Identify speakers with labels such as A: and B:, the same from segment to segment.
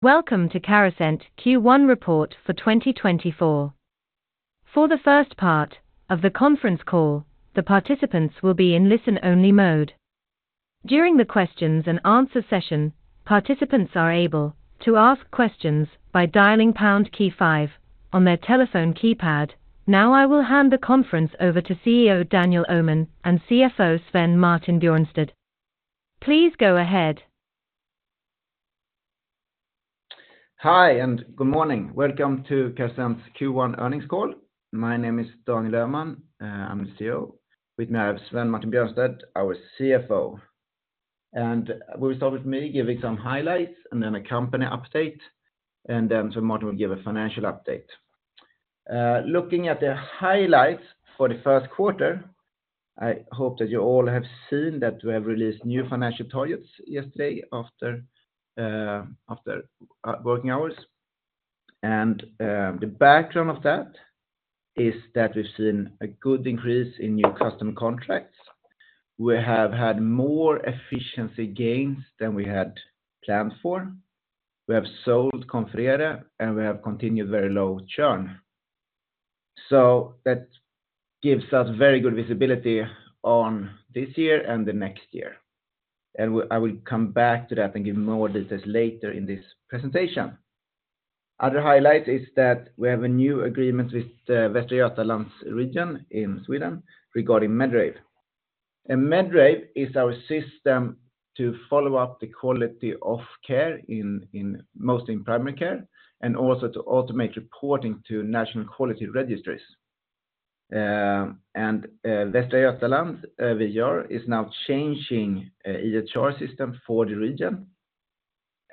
A: Welcome to Carasent Q1 report for 2024. For the first part of the conference call, the participants will be in listen-only mode. During the question-and-answer session, participants are able to ask questions by dialing pound key five on their telephone keypad. Now I will hand the conference over to CEO Daniel Öhman and CFO Svein Martin Bjørnstad. Please go ahead.
B: Hi and good morning. Welcome to Carasent's Q1 earnings call. My name is Daniel Öhman, I'm the CEO. With me I have Svein Martin Bjørnstad, our CFO. We will start with me giving some highlights and then a company update, and then Svein Martin will give a financial update. Looking at the highlights for the first quarter, I hope that you all have seen that we have released new financial targets yesterday after working hours. The background of that is that we've seen a good increase in new custom contracts. We have had more efficiency gains than we had planned for. We have sold Confrere and we have continued very low churn. That gives us very good visibility on this year and the next year. I will come back to that and give more details later in this presentation. Other highlights is that we have a new agreement with Västra Götalandsregionen in Sweden regarding Medrave. Medrave is our system to follow up the quality of care mostly in primary care and also to automate reporting to national quality registries. Västra Götalandsregionen, VGR is now changing EHR system for the region.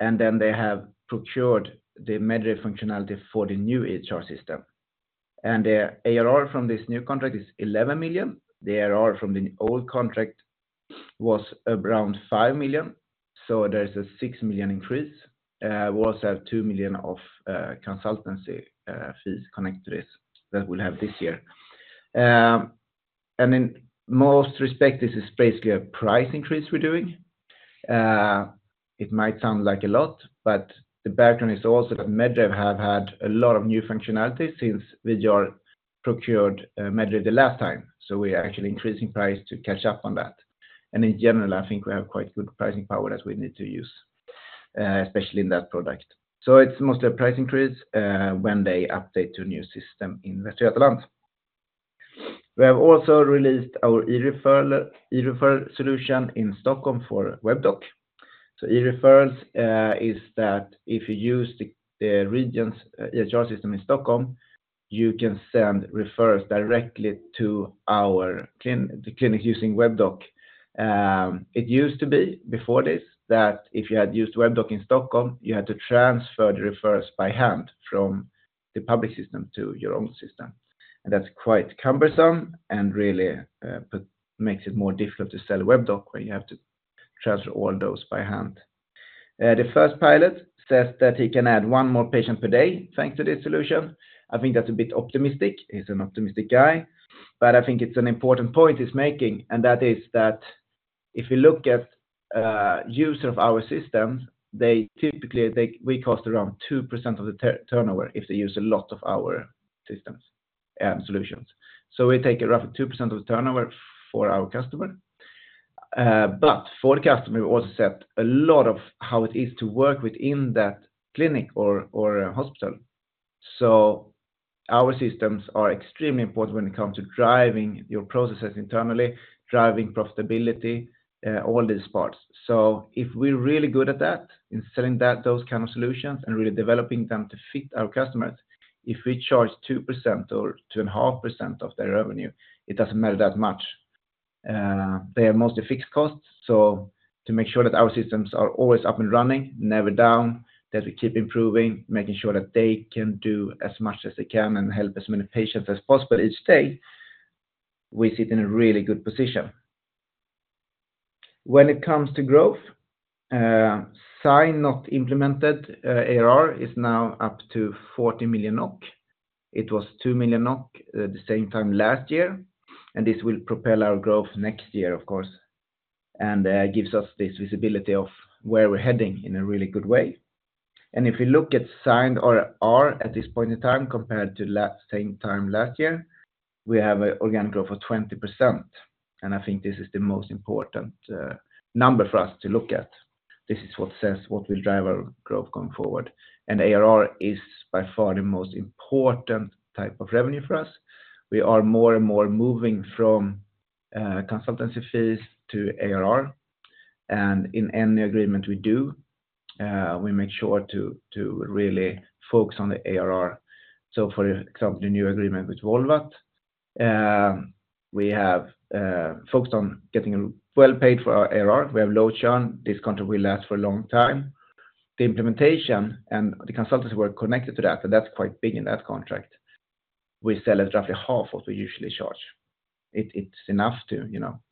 B: Then they have procured the Medrave functionality for the new EHR system. The ARR from this new contract is 11 million. The ARR from the old contract was around 5 million. There's a 6 million increase. We also have 2 million of consultancy fees connected to this that we'll have this year. In most respect, this is basically a price increase we're doing. It might sound like a lot, but the background is also that Medrave has had a lot of new functionality since VGR procured Medrave the last time. So we are actually increasing price to catch up on that. And in general, I think we have quite good pricing power that we need to use, especially in that product. So it's mostly a price increase when they update to a new system in Västra Götaland. We have also released our e-referral solution in Stockholm for Webdoc. So e-referrals is that if you use the region's EHR system in Stockholm, you can send referrals directly to the clinic using Webdoc. It used to be before this that if you had used Webdoc in Stockholm, you had to transfer the referrals by hand from the public system to your own system. And that's quite cumbersome and really makes it more difficult to sell Webdoc when you have to transfer all those by hand. The first pilot says that he can add one more patient per day thanks to this solution. I think that's a bit optimistic. He's an optimistic guy. But I think it's an important point he's making, and that is that if you look at users of our systems, we cost around 2% of the turnover if they use a lot of our systems and solutions. So we take roughly 2% of the turnover for our customer. But for the customer, we also set a lot of how it is to work within that clinic or hospital. So our systems are extremely important when it comes to driving your processes internally, driving profitability, all these parts. So if we're really good at that, in selling those kind of solutions and really developing them to fit our customers, if we charge 2% or 2.5% of their revenue, it doesn't matter that much. They have mostly fixed costs. So to make sure that our systems are always up and running, never down, that we keep improving, making sure that they can do as much as they can and help as many patients as possible each day, we sit in a really good position. When it comes to growth, signed not implemented ARR is now up to 40 million NOK. It was 2 million NOK at the same time last year. And this will propel our growth next year, of course. And gives us this visibility of where we're heading in a really good way. And if you look at signed ARR at this point in time compared to the same time last year, we have an organic growth of 20%. And I think this is the most important number for us to look at. This is what says what will drive our growth going forward. ARR is by far the most important type of revenue for us. We are more and more moving from consultancy fees to ARR. In any agreement we do, we make sure to really focus on the ARR. So for example, the new agreement with Volvat, we have focused on getting well paid for our ARR. We have low churn. This contract will last for a long time. The implementation and the consultancy work connected to that, and that's quite big in that contract, we sell at roughly half what we usually charge. It's enough to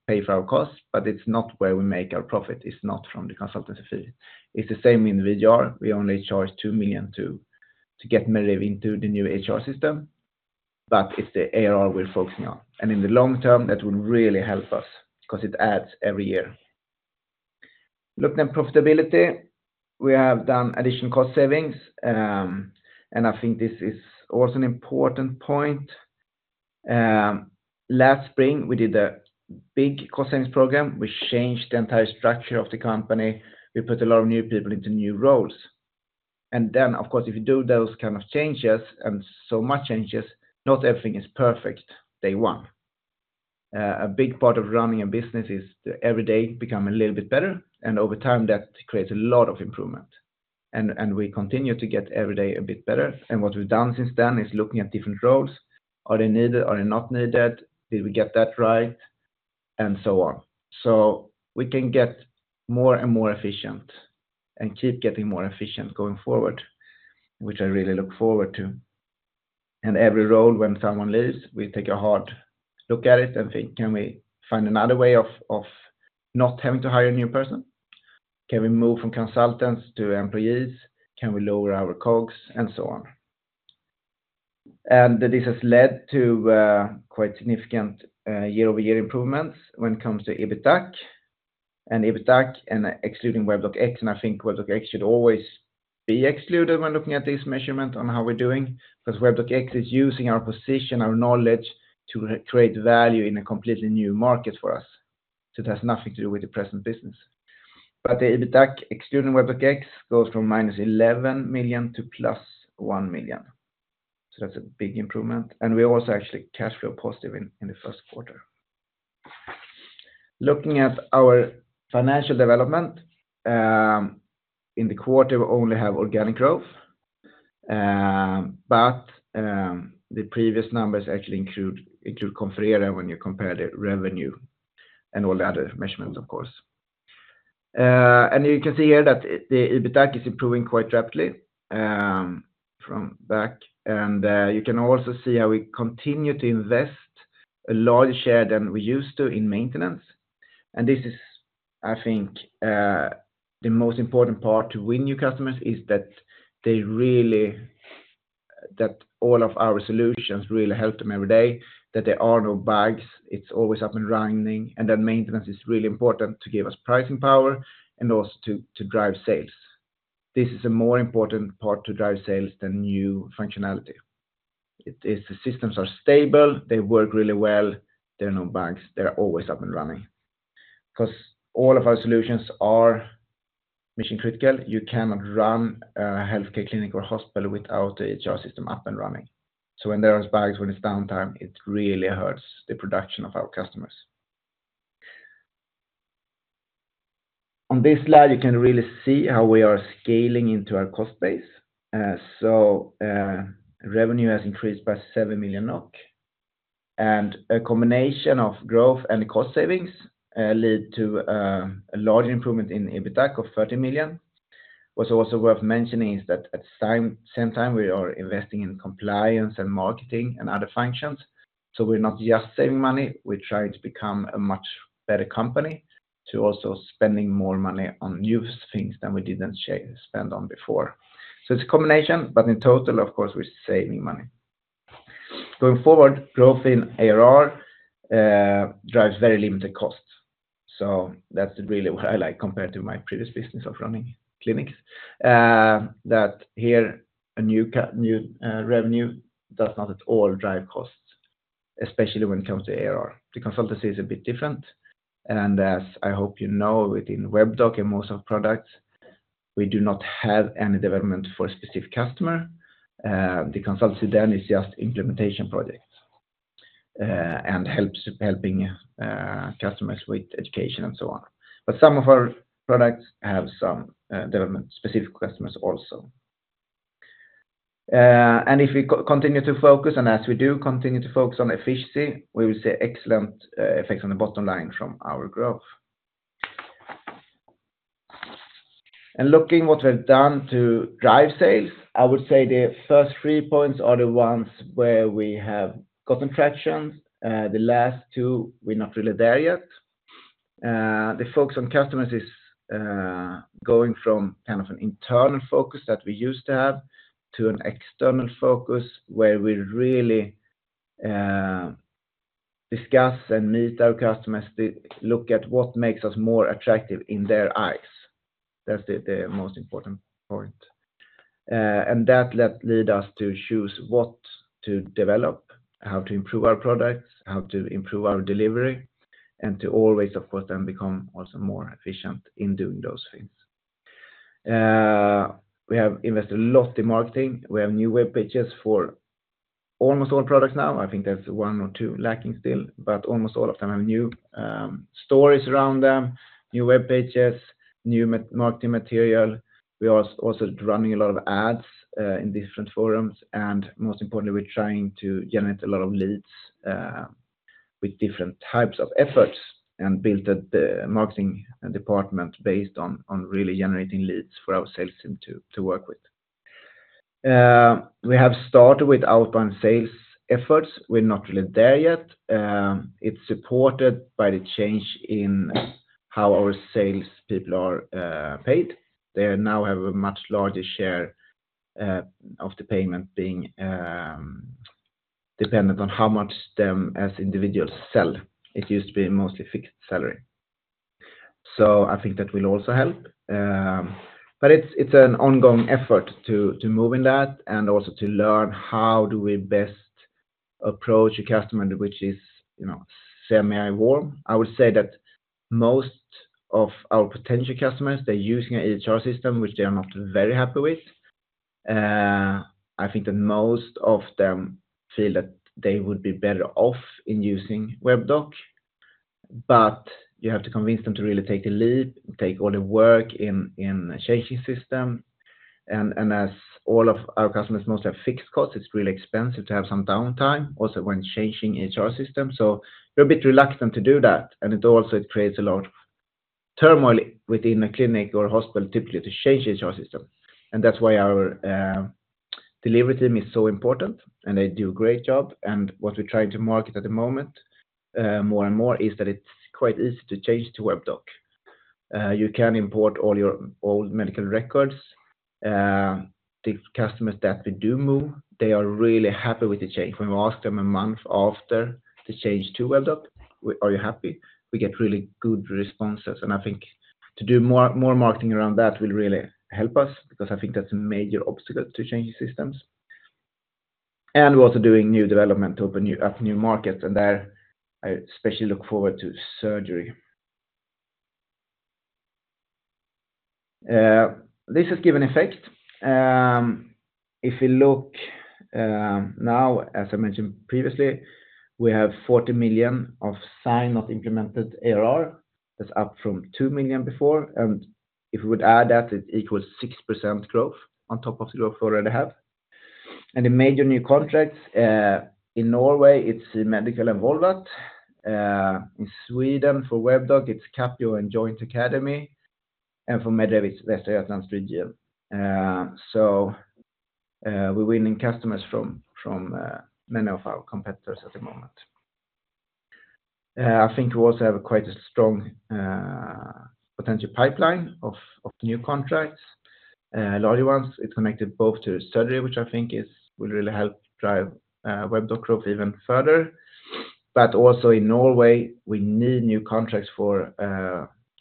B: pay for our costs, but it's not where we make our profit. It's not from the consultancy fee. It's the same in VGR. We only charge 2 million to get Medrave into the new EHR system. But it's the ARR we're focusing on. In the long term, that will really help us because it adds every year. Looking at profitability, we have done additional cost savings. I think this is also an important point. Last spring, we did a big cost savings program. We changed the entire structure of the company. We put a lot of new people into new roles. Then, of course, if you do those kind of changes and so much changes, not everything is perfect day one. A big part of running a business is to every day become a little bit better. Over time, that creates a lot of improvement. We continue to get every day a bit better. What we've done since then is looking at different roles. Are they needed? Are they not needed? Did we get that right? And so on. So we can get more and more efficient and keep getting more efficient going forward, which I really look forward to. Every role when someone leaves, we take a hard look at it and think, can we find another way of not having to hire a new person? Can we move from consultants to employees? Can we lower our COGS? And so on. And this has led to quite significant year-over-year improvements when it comes to EBITDA. And EBITDA, excluding Webdoc X, and I think Webdoc X should always be excluded when looking at this measurement on how we're doing because Webdoc X is using our position, our knowledge to create value in a completely new market for us. So it has nothing to do with the present business. But the EBITDA excluding Webdoc X goes from -11 million to +1 million. So that's a big improvement. And we're also actually cash flow positive in the first quarter. Looking at our financial development, in the quarter, we only have organic growth. But the previous numbers actually include Confrere when you compare the revenue and all the other measurements, of course. And you can see here that the EBITDA is improving quite rapidly from back. And you can also see how we continue to invest a larger share than we used to in maintenance. And this is, I think, the most important part to win new customers is that all of our solutions really help them every day, that there are no bugs. It's always up and running. And then maintenance is really important to give us pricing power and also to drive sales. This is a more important part to drive sales than new functionality. The systems are stable. They work really well. There are no bugs. they are always up and running because all of our solutions are mission critical. You cannot run a healthcare clinic or hospital without the EHR system up and running. So when there are bugs, when it's downtime, it really hurts the production of our customers. On this slide, you can really see how we are scaling into our cost base. So revenue has increased by 7 million NOK. And a combination of growth and cost savings lead to a larger improvement in EBITDA of 30 million. What's also worth mentioning is that at the same time, we are investing in compliance and marketing and other functions. So we're not just saving money. We're trying to become a much better company to also spend more money on new things than we didn't spend on before. So it's a combination. But in total, of course, we're saving money. Going forward, growth in ARR drives very limited costs. So that's really what I like compared to my previous business of running clinics. That here, a new revenue does not at all drive costs, especially when it comes to ARR. The consultancy is a bit different. As I hope you know, within WebDoc and most of our products, we do not have any development for a specific customer. The consultancy then is just implementation projects and helping customers with education and so on. But some of our products have some development specific customers also. And if we continue to focus, and as we do continue to focus on efficiency, we will see excellent effects on the bottom line from our growth. Looking at what we have done to drive sales, I would say the first three points are the ones where we have gotten traction. The last two, we're not really there yet. The focus on customers is going from kind of an internal focus that we used to have to an external focus where we really discuss and meet our customers, look at what makes us more attractive in their eyes. That's the most important point. And that lead us to choose what to develop, how to improve our products, how to improve our delivery, and to always, of course, then become also more efficient in doing those things. We have invested a lot in marketing. We have new web pages for almost all products now. I think there's one or two lacking still, but almost all of them have new stories around them, new web pages, new marketing material. We are also running a lot of ads in different forums. Most importantly, we're trying to generate a lot of leads with different types of efforts and built a marketing department based on really generating leads for our sales team to work with. We have started with outbound sales efforts. We're not really there yet. It's supported by the change in how our salespeople are paid. They now have a much larger share of the payment being dependent on how much them as individuals sell. It used to be mostly fixed salary. So I think that will also help. But it's an ongoing effort to move in that and also to learn how do we best approach a customer which is semi-warm. I would say that most of our potential customers, they are using an EHR system which they are not very happy with. I think that most of them feel that they would be better off in using Webdoc. But you have to convince them to really take the leap, take all the work in changing the system. And as all of our customers mostly have fixed costs, it's really expensive to have some downtime also when changing EHR systems. So we're a bit reluctant to do that. And it also creates a lot of turmoil within a clinic or hospital, typically to change the EHR system. And that's why our delivery team is so important, and they do a great job. And what we're trying to market at the moment more and more is that it's quite easy to change to Webdoc. You can import all your old medical records. The customers that we do move, they are really happy with the change. When we ask them a month after to change to Webdoc, are you happy? We get really good responses. I think to do more marketing around that will really help us because I think that's a major obstacle to changing systems. We're also doing new development to open up new markets. There I especially look forward to surgery. This has given effect. If we look now, as I mentioned previously, we have 40 million of signed not implemented ARR. That's up from 2 million before. If we would add that, it equals 6% growth on top of the growth we already have. The major new contracts in Norway, it's Metodika and Volvat. In Sweden for Webdoc, it's Capio and Joint Academy. For Medrave, it's Västra Götalandsregionen. So we're winning customers from many of our competitors at the moment. I think we also have quite a strong potential pipeline of new contracts, larger ones. It's connected both to surgery, which I think will really help drive Webdoc growth even further. Also in Norway, we need new contracts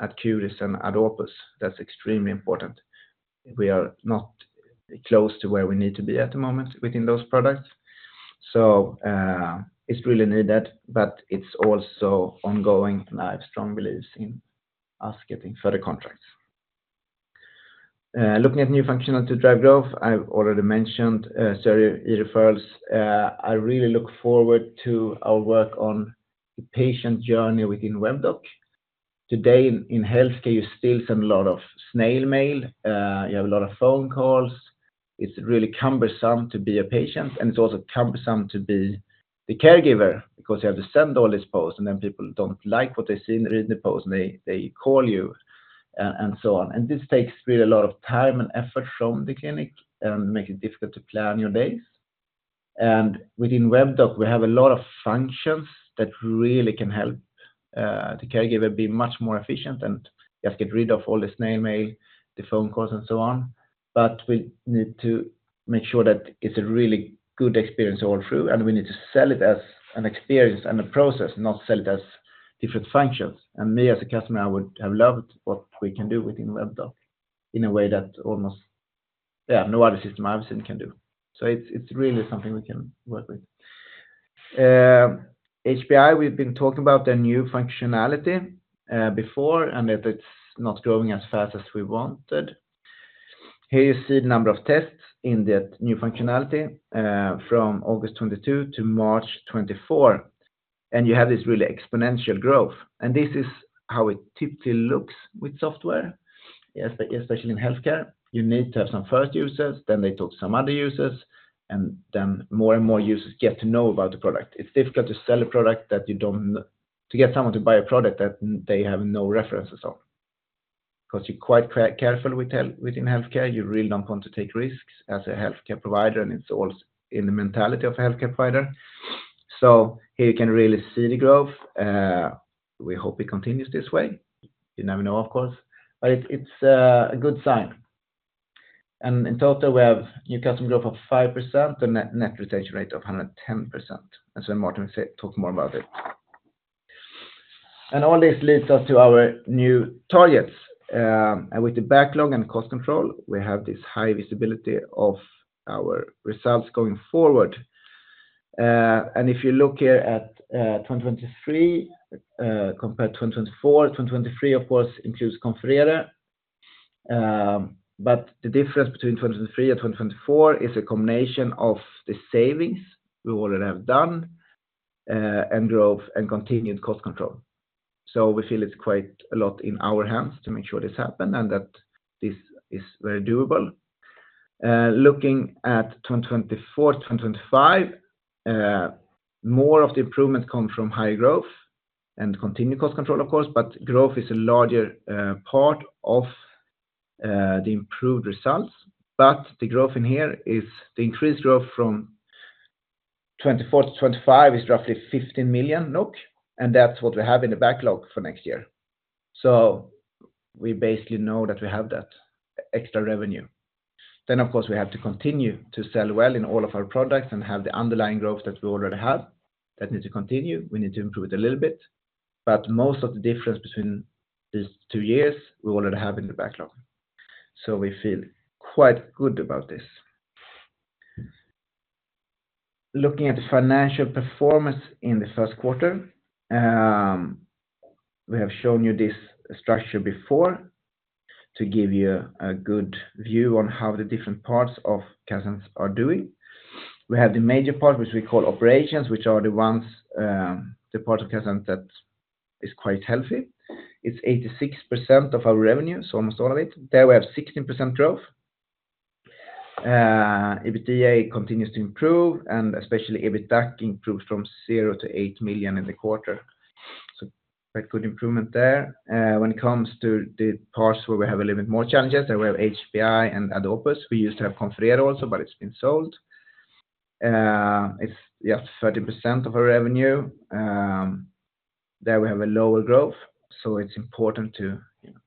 B: at QRIS and AdOpus. That's extremely important. We are not close to where we need to be at the moment within those products. It's really needed, but it's also ongoing. I have strong beliefs in us getting further contracts. Looking at new functionality to drive growth, I've already mentioned surgery e-referrals. I really look forward to our work on the patient journey within Webdoc. Today in healthcare, you still send a lot of snail mail. You have a lot of phone calls. It's really cumbersome to be a patient. It's also cumbersome to be the caregiver because you have to send all these posts. Then people don't like what they see and read in the posts. They call you and so on. This takes really a lot of time and effort from the clinic and makes it difficult to plan your days. Within Webdoc, we have a lot of functions that really can help the caregiver be much more efficient and just get rid of all the snail mail, the phone calls, and so on. But we need to make sure that it's a really good experience all through. We need to sell it as an experience and a process, not sell it as different functions. Me as a customer, I would have loved what we can do within Webdoc in a way that almost, yeah, no other system I've seen can do. So it's really something we can work with. HBI, we've been talking about their new functionality before and that it's not growing as fast as we wanted. Here you see the number of tests in that new functionality from August 2022 to March 2024. You have this really exponential growth. This is how it typically looks with software, especially in healthcare. You need to have some first users. Then they talk to some other users. Then more and more users get to know about the product. It's difficult to sell a product that you don't to get someone to buy a product that they have no references on because you're quite careful within healthcare. You really don't want to take risks as a healthcare provider. It's also in the mentality of a healthcare provider. So here you can really see the growth. We hope it continues this way. You never know, of course. But it's a good sign. In total, we have new customer growth of 5% and net retention rate of 110%. Svein Martin will talk more about it. All this leads us to our new targets. With the backlog and cost control, we have this high visibility of our results going forward. If you look here at 2023 compared to 2024, 2023, of course, includes Confrere. But the difference between 2023 and 2024 is a combination of the savings we already have done and growth and continued cost control. We feel it's quite a lot in our hands to make sure this happen and that this is very doable. Looking at 2024, 2025, more of the improvements come from higher growth and continued cost control, of course. But growth is a larger part of the improved results. But the growth in here is the increased growth from 2024 to 2025 is roughly 15 million NOK. That's what we have in the backlog for next year. We basically know that we have that extra revenue. Of course, we have to continue to sell well in all of our products and have the underlying growth that we already have that needs to continue. We need to improve it a little bit. But most of the difference between these two years, we already have in the backlog. We feel quite good about this. Looking at the financial performance in the first quarter, we have shown you this structure before to give you a good view on how the different parts of Carasent are doing. We have the major part, which we call operations, which are the parts of Carasent that is quite healthy. It's 86% of our revenue, so almost all of it. There we have 16% growth. EBITDA continues to improve, and especially EBITDA improves from 0 to 8 million in the quarter. So quite good improvement there. When it comes to the parts where we have a little bit more challenges, there we have HBI and AdOpus. We used to have Confrere also, but it's been sold. It's just 30% of our revenue. There we have a lower growth. So it's important to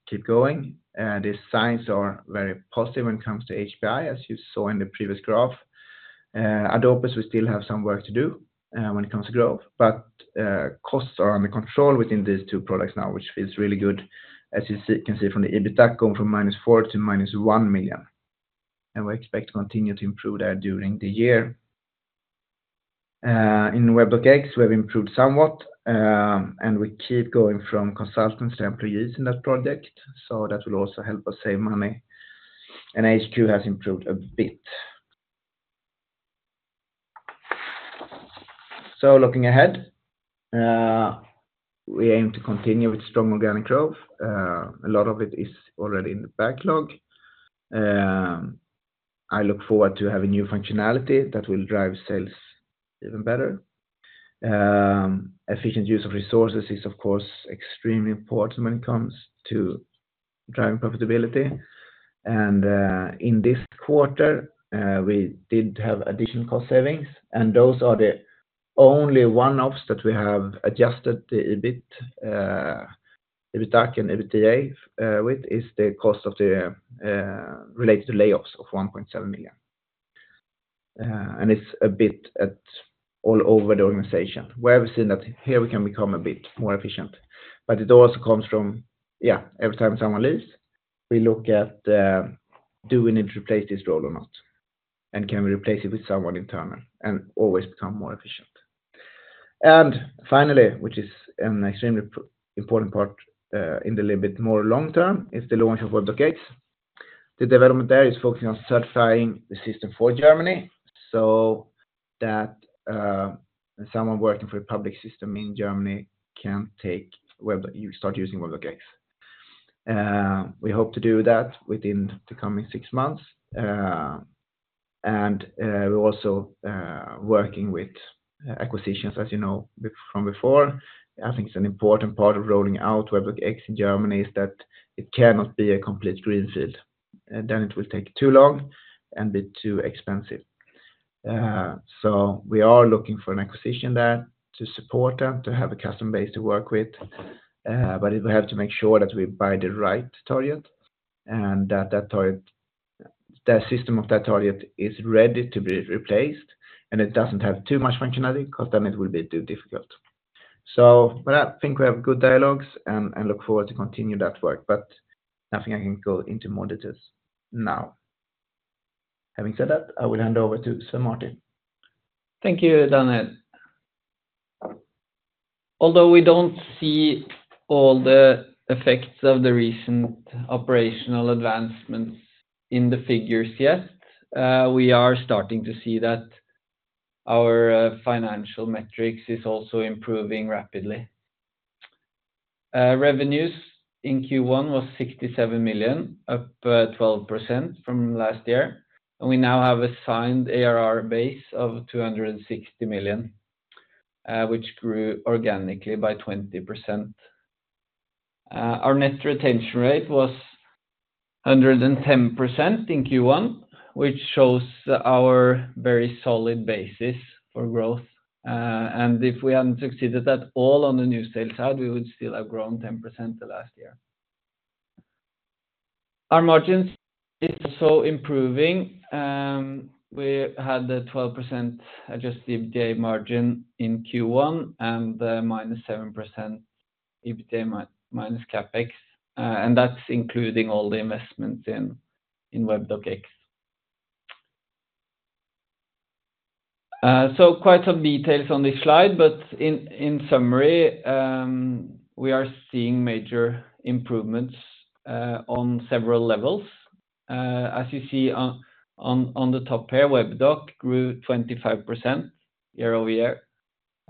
B: keep going. The signs are very positive when it comes to HBI, as you saw in the previous graph. AdOpus, we still have some work to do when it comes to growth. But costs are under control within these two products now, which feels really good, as you can see from the EBITDA going from -4 million to -1 million. We expect to continue to improve there during the year. In Webdoc X, we have improved somewhat. We keep going from consultants to employees in that project. So that will also help us save money. HQ has improved a bit. So looking ahead, we aim to continue with strong organic growth. A lot of it is already in the backlog. I look forward to having new functionality that will drive sales even better. Efficient use of resources is, of course, extremely important when it comes to driving profitability. In this quarter, we did have additional cost savings. Those are the only one-offs that we have adjusted the EBITDA with is the cost related to layoffs of 1.7 million. It's a bit all over the organization where we've seen that here we can become a bit more efficient. But it also comes from, yeah, every time someone leaves, we look at do we need to replace this role or not, and can we replace it with someone internal and always become more efficient? And finally, which is an extremely important part in the little bit more long term, is the launch of Webdoc X. The development there is focusing on certifying the system for Germany so that someone working for a public system in Germany can start using Webdoc X. We hope to do that within the coming six months. And we're also working with acquisitions, as you know from before. I think it's an important part of rolling out Webdoc X in Germany is that it cannot be a complete greenfield. Then it will take too long and be too expensive. So we are looking for an acquisition there to support them, to have a customer base to work with. But we have to make sure that we buy the right target and that the system of that target is ready to be replaced and it doesn't have too much functionality because then it will be too difficult. But I think we have good dialogues and look forward to continuing that work. But nothing I can go into more details now. Having said that, I will hand over to Svein Martin.
C: Thank you, Daniel. Although we don't see all the effects of the recent operational advancements in the figures yet, we are starting to see that our financial metrics are also improving rapidly. Revenues in Q1 were 67 million, up 12% from last year. And we now have a signed ARR base of 260 million, which grew organically by 20%. Our net retention rate was 110% in Q1, which shows our very solid basis for growth. If we hadn't succeeded at all on the new sales side, we would still have grown 10% the last year. Our margin is also improving. We had the 12% adjusted EBITDA margin in Q1 and the -7% EBITDA minus CapEx. That's including all the investments in Webdoc X. Quite some details on this slide. In summary, we are seeing major improvements on several levels. As you see on the top here, Webdoc grew 25% year-over-year.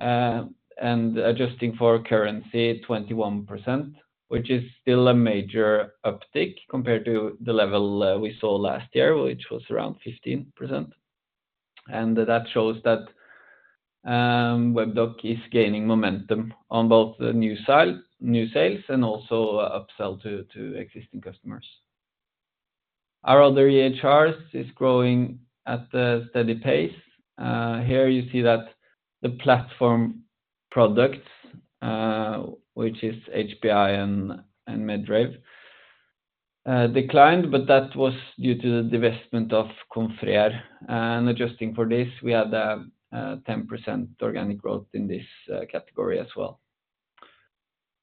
C: Adjusting for currency, 21%, which is still a major uptick compared to the level we saw last year, which was around 15%. That shows that Webdoc is gaining momentum on both the new sales and also upsell to existing customers. Our other EHRs are growing at a steady pace. Here you see that the platform products, which is HBI and Medrave, declined. But that was due to the divestment of Confrere. And adjusting for this, we had 10% organic growth in this category as well.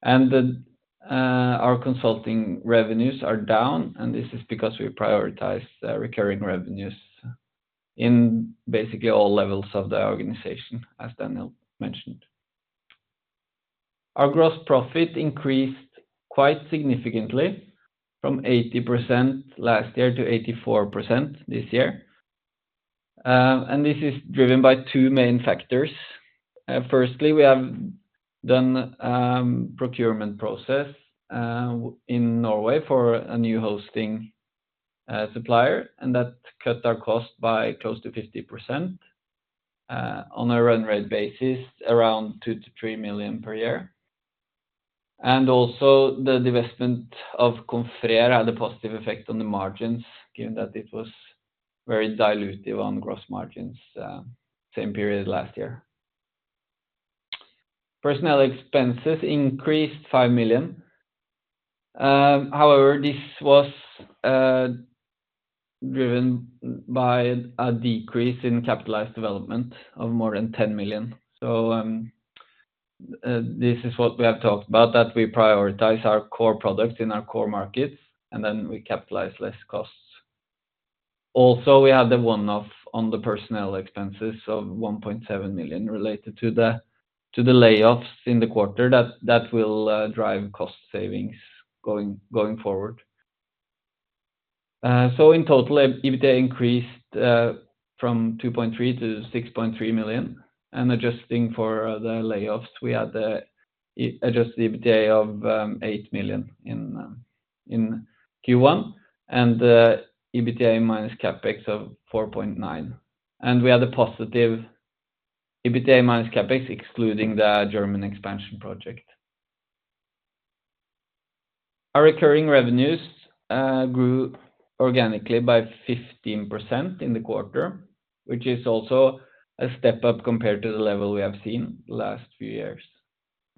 C: And our consulting revenues are down. And this is because we prioritize recurring revenues in basically all levels of the organization, as Daniel mentioned. Our gross profit increased quite significantly from 80% last year to 84% this year. And this is driven by two main factors. Firstly, we have done a procurement process in Norway for a new hosting supplier. And that cut our cost by close to 50% on a run rate basis, around 2-3 million per year. And also, the divestment of Confrere had a positive effect on the margins, given that it was very dilutive on gross margins the same period last year. Personnel expenses increased 5 million. However, this was driven by a decrease in capitalized development of more than 10 million. So this is what we have talked about, that we prioritize our core products in our core markets, and then we capitalize less costs. Also, we had the one-off on the personnel expenses of 1.7 million related to the layoffs in the quarter. That will drive cost savings going forward. So in total, EBITDA increased from 2.3 million to 6.3 million. And adjusting for the layoffs, we had adjusted EBITDA of 8 million in Q1 and EBITDA minus CapEx of 4.9 million. And we had a positive EBITDA minus CapEx, excluding the German expansion project. Our recurring revenues grew organically by 15% in the quarter, which is also a step up compared to the level we have seen the last few years.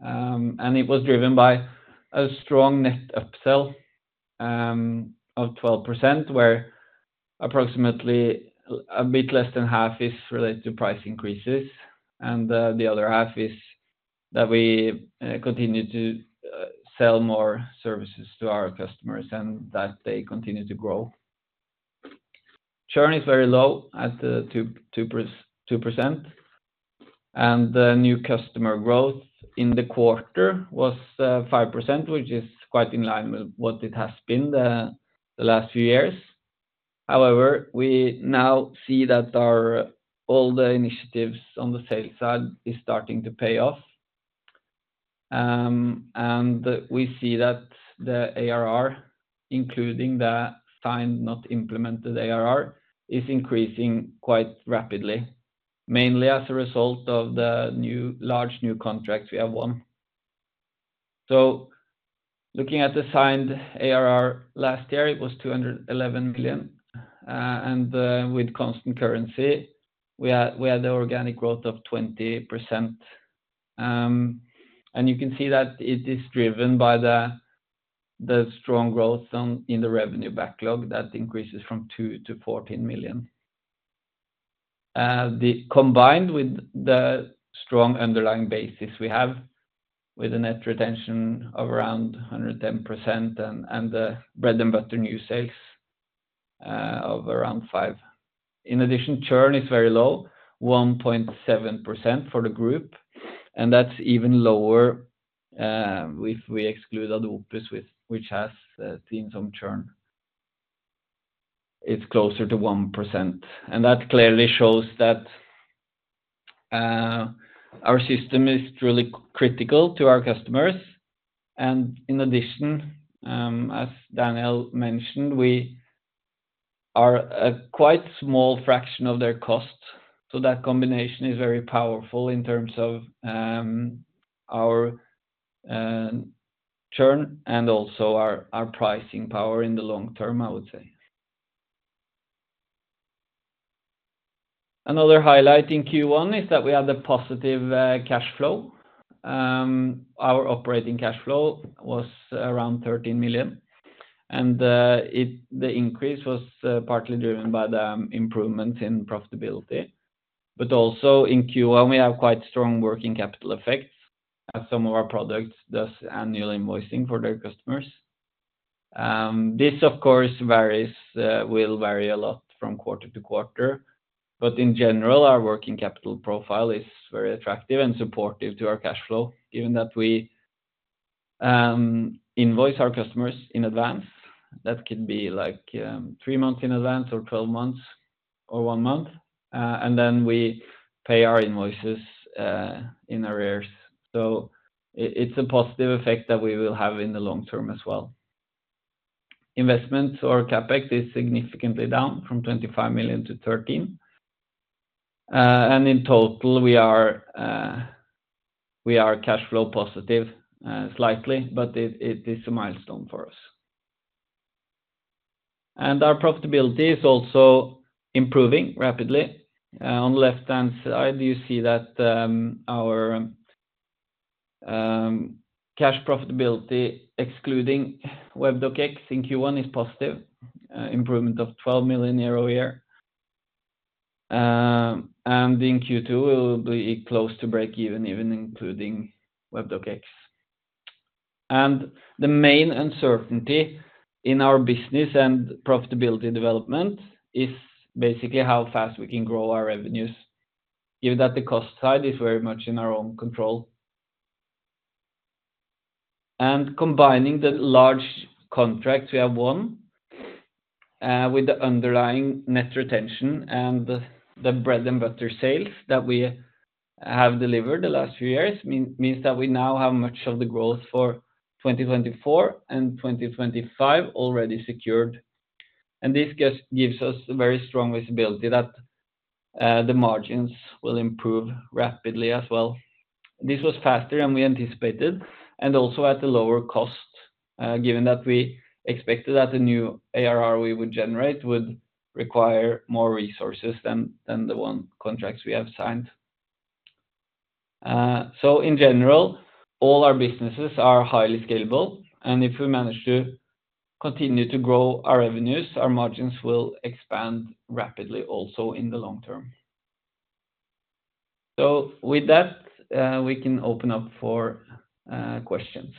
C: It was driven by a strong net upsell of 12%, where approximately a bit less than half is related to price increases. The other half is that we continue to sell more services to our customers and that they continue to grow. Churn is very low at 2%. The new customer growth in the quarter was 5%, which is quite in line with what it has been the last few years. However, we now see that all the initiatives on the sales side are starting to pay off. We see that the ARR, including the signed not implemented ARR, is increasing quite rapidly, mainly as a result of the large new contract we have won. Looking at the signed ARR last year, it was 211 million. With constant currency, we had the organic growth of 20%. You can see that it is driven by the strong growth in the revenue backlog that increases from 2 million-14 million, combined with the strong underlying basis we have, with a net retention of around 110% and the bread-and-butter new sales of around 5 million. In addition, churn is very low, 1.7% for the group. That's even lower if we exclude AdOpus, which has higher churn. It's closer to 1%. That clearly shows that our system is really critical to our customers. In addition, as Daniel mentioned, we are a quite small fraction of their cost. So that combination is very powerful in terms of our churn and also our pricing power in the long term, I would say. Another highlight in Q1 is that we had a positive cash flow. Our operating cash flow was around 13 million. The increase was partly driven by the improvements in profitability. But also in Q1, we have quite strong working capital effects, as some of our products do annual invoicing for their customers. This, of course, will vary a lot from quarter to quarter. But in general, our working capital profile is very attractive and supportive to our cash flow, given that we invoice our customers in advance. That could be like three months in advance or 12 months or one month. And then we pay our invoices in arrears. So it's a positive effect that we will have in the long term as well. Investments or CapEx is significantly down from 25 million to 13 million. And in total, we are cash flow positive slightly, but it is a milestone for us. And our profitability is also improving rapidly. On the left-hand side, you see that our cash profitability, excluding Webdoc X in Q1, is positive, improvement of NOK 12 million year-over-year. In Q2, we will be close to breakeven, even including Webdoc X. The main uncertainty in our business and profitability development is basically how fast we can grow our revenues, given that the cost side is very much in our own control. Combining the large contracts we have won with the underlying net retention and the bread-and-butter sales that we have delivered the last few years means that we now have much of the growth for 2024 and 2025 already secured. This gives us very strong visibility that the margins will improve rapidly as well. This was faster than we anticipated and also at a lower cost, given that we expected that the new ARR we would generate would require more resources than the one contracts we have signed. In general, all our businesses are highly scalable. If we manage to continue to grow our revenues, our margins will expand rapidly also in the long term. With that, we can open up for questions.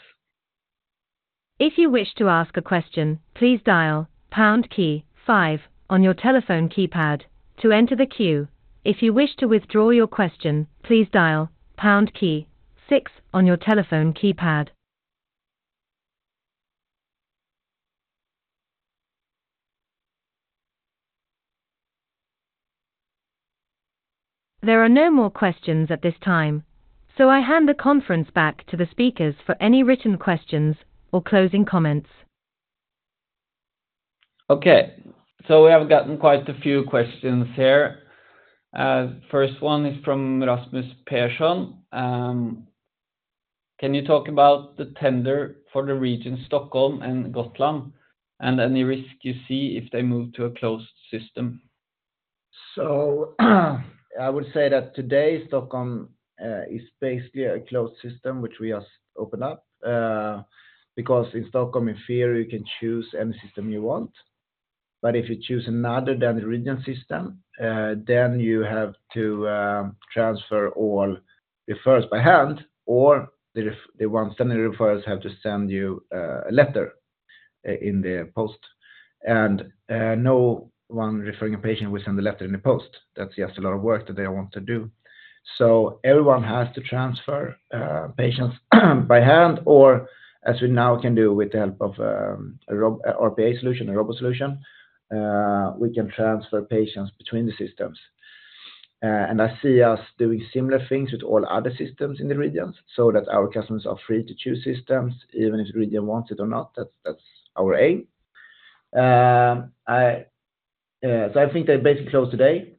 A: If you wish to ask a question, please dial pound key five on your telephone keypad to enter the queue. If you wish to withdraw your question, please dial pound key 6 on your telephone keypad. There are no more questions at this time, so I hand the conference back to the speakers for any written questions or closing comments.
C: Okay. So we have gotten quite a few questions here. First one is from Rasmus Persson. Can you talk about the tender for Region Stockholm and Gotland, and any risk you see if they move to a closed system?
B: So I would say that today, Stockholm is basically a closed system, which we just opened up, because in Stockholm, in theory, you can choose any system you want. But if you choose another than the region system, then you have to transfer all referrals by hand, or the one sending referrals have to send you a letter in the post. And no one referring a patient will send a letter in the post. That's just a lot of work that they don't want to do. So everyone has to transfer patients by hand, or as we now can do with the help of an RPA solution, a robo-solution, we can transfer patients between the systems. And I see us doing similar things with all other systems in the regions so that our customers are free to choose systems, even if the region wants it or not. That's our aim. So, I think they basically closed today.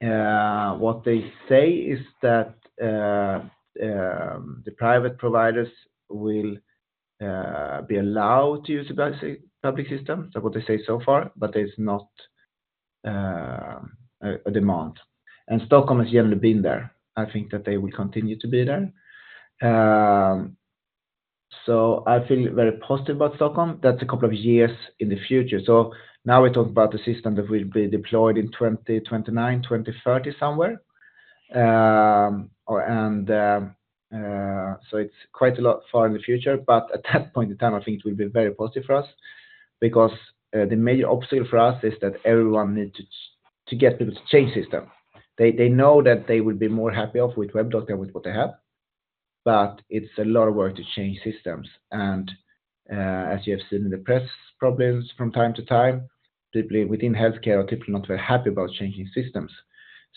B: What they say is that the private providers will be allowed to use a public system. That's what they say so far, but there's not a demand. Stockholm has generally been there. I think that they will continue to be there. So, I feel very positive about Stockholm. That's a couple of years in the future. So now we talk about the system that will be deployed in 2029, 2030 somewhere. So it's quite far in the future. But at that point in time, I think it will be very positive for us because the major obstacle for us is that everyone needs to get people to change systems. They know that they will be more happy with WebDoc than with what they have. But it's a lot of work to change systems. As you have seen in the press problems from time to time, people within healthcare are typically not very happy about changing systems.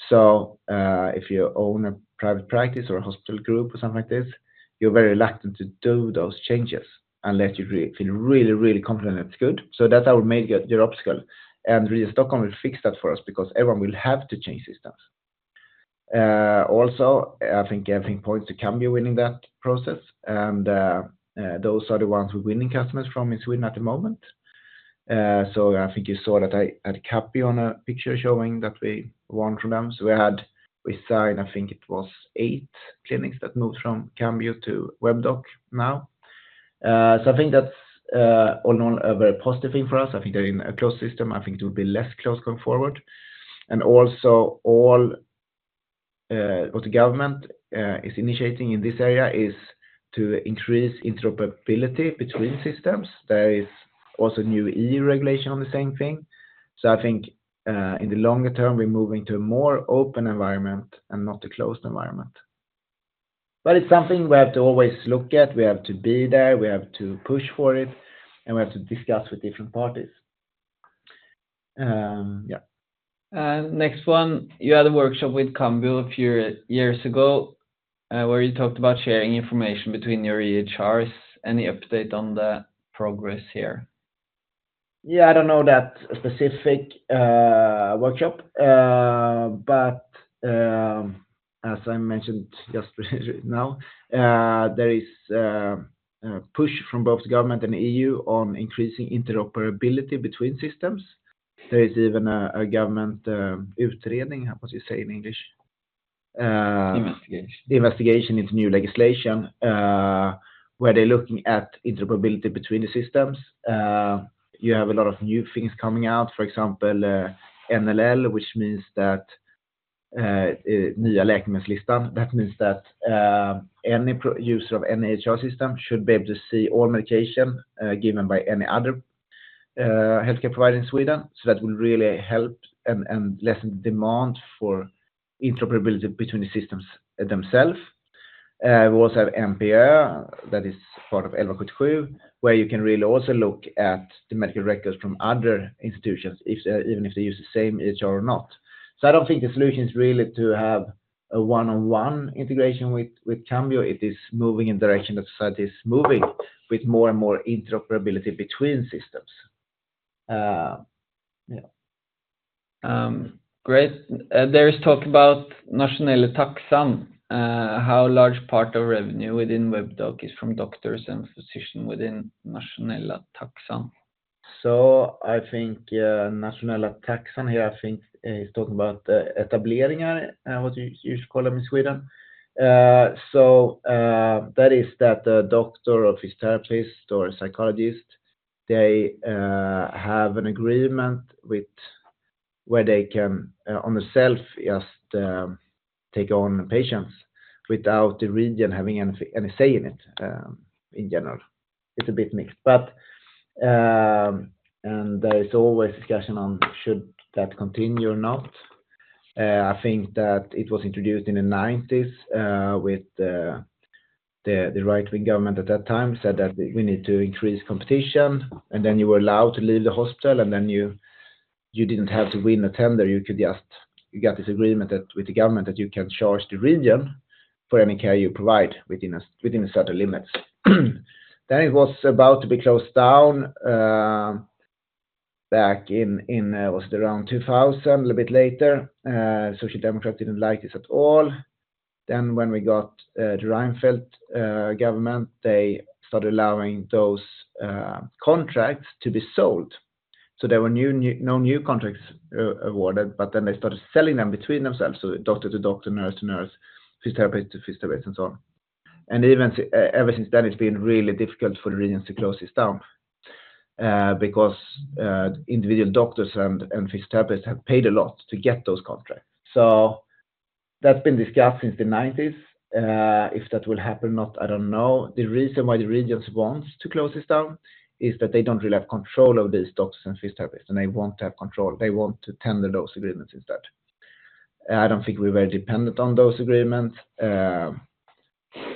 B: So if you own a private practice or a hospital group or something like this, you're very reluctant to do those changes unless you feel really, really confident that it's good. So that's our major obstacle. Region Stockholm will fix that for us because everyone will have to change systems. Also, I think everything points to Cambio winning that process. And those are the ones we're winning customers from in Sweden at the moment. So I think you saw that I had a Capio on a picture showing that we won from them. So we signed, I think it was eight clinics that moved from Cambio to Webdoc now. So I think that's all in all a very positive thing for us. I think they are in a closed system. I think it will be less closed going forward. And also, what the government is initiating in this area is to increase interoperability between systems. There is also new EU regulation on the same thing. So I think in the longer term, we're moving to a more open environment and not a closed environment. But it's something we have to always look at. We have to be there. We have to push for it. And we have to discuss with different parties. Yeah.
C: Next one. You had a workshop with Cambio a few years ago where you talked about sharing information between your EHRs. Any update on the progress here?
B: Yeah. I don't know that specific workshop. But as I mentioned just now, there is a push from both the government and the EU on increasing interoperability between systems. There is even a government utredning, what do you say in English?
C: Investigation.
B: Investigation into new legislation where they are looking at interoperability between the systems. You have a lot of new things coming out, for example, NLL, which means that new medication list. That means that any user of any EHR system should be able to see all medication given by any other healthcare provider in Sweden. So that will really help and lessen the demand for interoperability between the systems themselves. We also have NPÖ that is part of 1177, where you can really also look at the medical records from other institutions, even if they use the same EHR or not. So I don't think the solution is really to have a one-on-one integration with Cambio. It is moving in the direction that society is moving with more and more interoperability between systems. Yeah.
C: Great. There is talk about Nationella Taxan, how large part of revenue within WebDoc is from doctors and physicians within Nationella Taxan.
B: So I think Nationella Taxan here, I think, is talking about etableringar, what you should call them in Sweden. So that is that the doctor or physiotherapist or psychologist, they have an agreement where they can by themselves just take on patients without the region having any say in it in general. It's a bit mixed. And there is always discussion on should that continue or not. I think that it was introduced in the 1990s with the right-wing government at that time said that we need to increase competition. And then you were allowed to leave the hospital. And then you didn't have to win a tender. You got this agreement with the government that you can charge the region for any care you provide within certain limits. Then it was about to be closed down back in, was it around 2000, a little bit later. Social Democrats didn't like this at all. Then when we got the Reinfeldt government, they started allowing those contracts to be sold. So there were no new contracts awarded. But then they started selling them between themselves. So doctor to doctor, nurse to nurse, physiotherapist to physiotherapist, and so on. And ever since then, it's been really difficult for the regions to close this down because individual doctors and physiotherapists have paid a lot to get those contracts. So that's been discussed since the '90s. If that will happen or not, I don't know. The reason why the regions want to close this down is that they don't really have control of these doctors and physiotherapists, and they want to have control. They want to tender those agreements instead. I don't think we're very dependent on those agreements.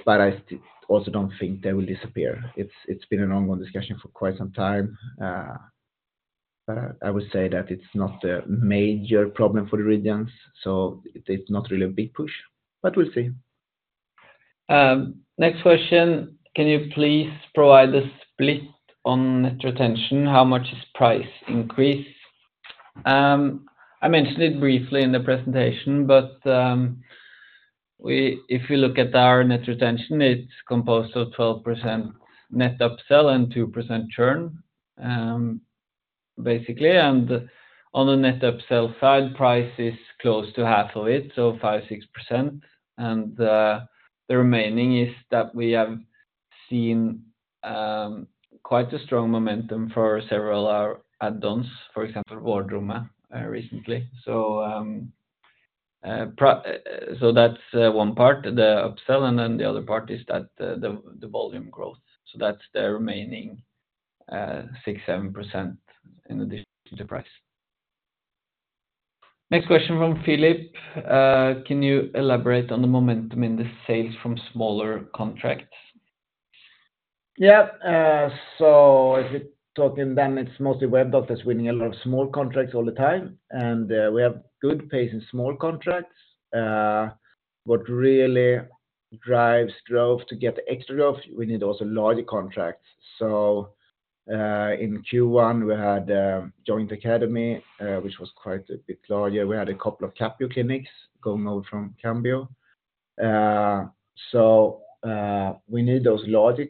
B: But I also don't think they will disappear. It's been an ongoing discussion for quite some time. But I would say that it's not a major problem for the regions. So it's not really a big push, but we'll see.
C: Next question. Can you please provide a split on net retention? I mentioned it briefly in the presentation, but if you look at our net retention, it's composed of 12% net upsell and 2% churn, basically. And on the net upsell side, price is close to half of it, so 5%-6%. And the remaining is that we have seen quite a strong momentum for several add-ons, for example, Vårdrummet recently. So that's one part, the upsell. And then the other part is that the volume growth. So that's the remaining 6%-7% in addition to price. Next question from Philip. Can you elaborate on the momentum in the sales from smaller contracts?
B: Yeah. So as we talk about them, it's mostly WebDoc that's winning a lot of small contracts all the time. We have good pace in small contracts. What really drives growth to get extra growth, we need also larger contracts. So in Q1, we had Joint Academy, which was quite a bit larger. We had a couple of Capio clinics going over from Cambio. So we need those larger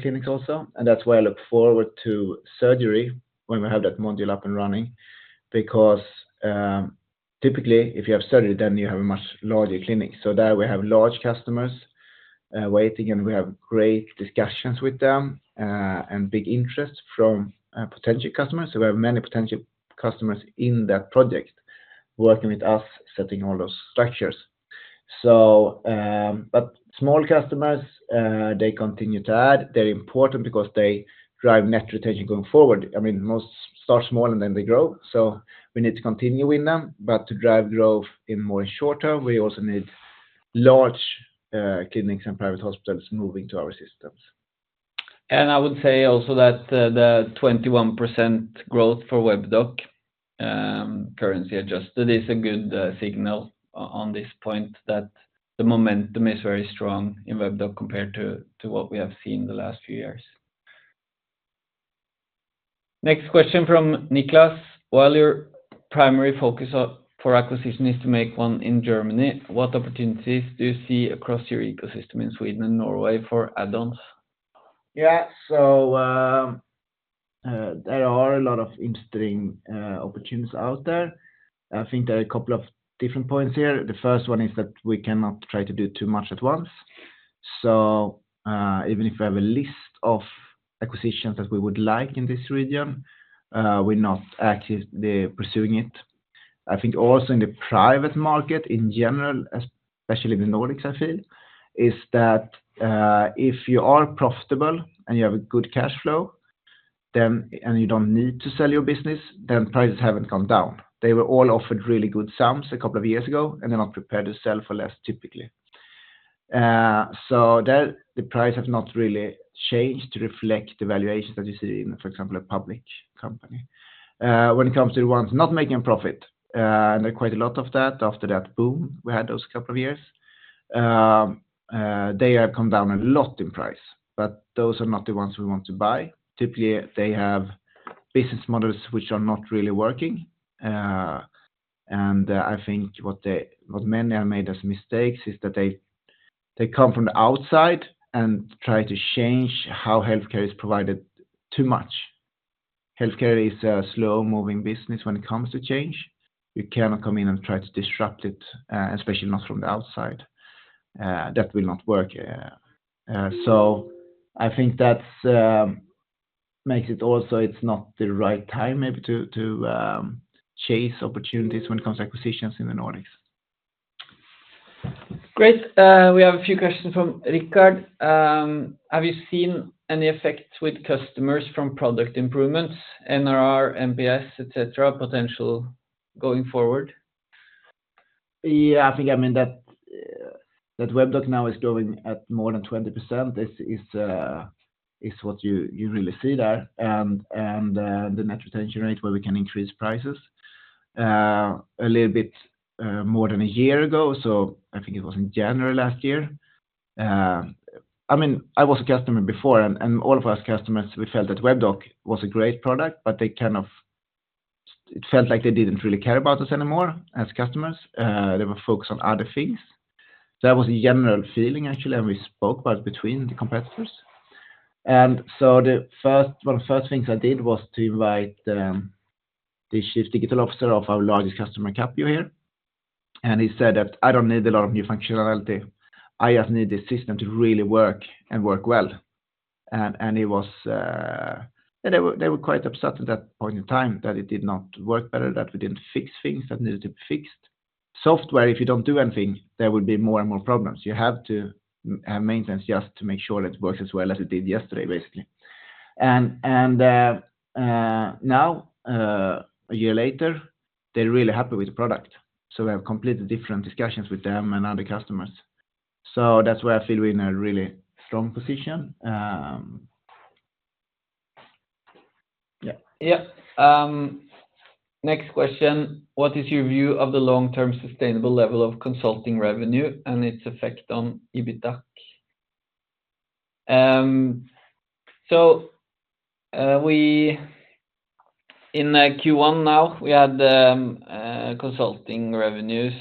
B: clinics also. And that's why I look forward to surgery when we have that module up and running because typically, if you have surgery, then you have a much larger clinic. So there we have large customers waiting, and we have great discussions with them and big interest from potential customers. So we have many potential customers in that project working with us, setting all those structures. But small customers, they continue to add. they are important because they drive net retention going forward. I mean, most start small and then they grow. So we need to continue with them. But to drive growth in more short term, we also need large clinics and private hospitals moving to our systems.
C: I would say also that the 21% growth for Webdoc currency adjusted is a good signal on this point that the momentum is very strong in Webdoc compared to what we have seen the last few years. Next question from Niklas. While your primary focus for acquisition is to make one in Germany, what opportunities do you see across your ecosystem in Sweden and Norway for add-ons?
B: Yeah. So there are a lot of interesting opportunities out there. I think there are a couple of different points here. The first one is that we cannot try to do too much at once. So even if we have a list of acquisitions that we would like in this region, we're not actively pursuing it. I think also in the private market in general, especially in the Nordics, I feel, is that if you are profitable and you have good cash flow, and you don't need to sell your business, then prices haven't gone down. They were all offered really good sums a couple of years ago, and they are not prepared to sell for less, typically. So the price has not really changed to reflect the valuations that you see in, for example, a public company. When it comes to the ones not making a profit, and there's quite a lot of that after that boom we had those couple of years, they have come down a lot in price. But those are not the ones we want to buy. Typically, they have business models which are not really working. I think what many have made as mistakes is that they come from the outside and try to change how healthcare is provided too much. Healthcare is a slow-moving business when it comes to change. You cannot come in and try to disrupt it, especially not from the outside. That will not work. So I think that makes it also, it's not the right time, maybe, to chase opportunities when it comes to acquisitions in the Nordics.
C: Great. We have a few questions from Richard. Have you seen any effects with customers from product improvements, NRR, MPS, etc., potential going forward?
B: Yeah. I think, I mean, that Webdoc now is growing at more than 20% is what you really see there, and the net retention rate where we can increase prices a little bit more than a year ago. So I think it was in January last year. I mean, I was a customer before, and all of us customers, we felt that Webdoc was a great product, but it felt like they didn't really care about us anymore as customers. They were focused on other things. So that was a general feeling, actually, and we spoke about it between the competitors. And so one of the first things I did was to invite the Chief Digital Officer of our largest customer, Capio, here. And he said that, "I don't need a lot of new functionality. I just need this system to really work and work well." And they were quite upset at that point in time that it did not work better, that we didn't fix things that needed to be fixed. Software, if you don't do anything, there will be more and more problems. You have to have maintenance just to make sure that it works as well as it did yesterday, basically. And now, a year later, they are really happy with the product. So we have completely different discussions with them and other customers. So that's why I feel we're in a really strong position. Yeah.
C: Yeah. Next question. What is your view of the long-term sustainable level of consulting revenue and its effect on EBITDA? So in Q1 now, we had consulting revenues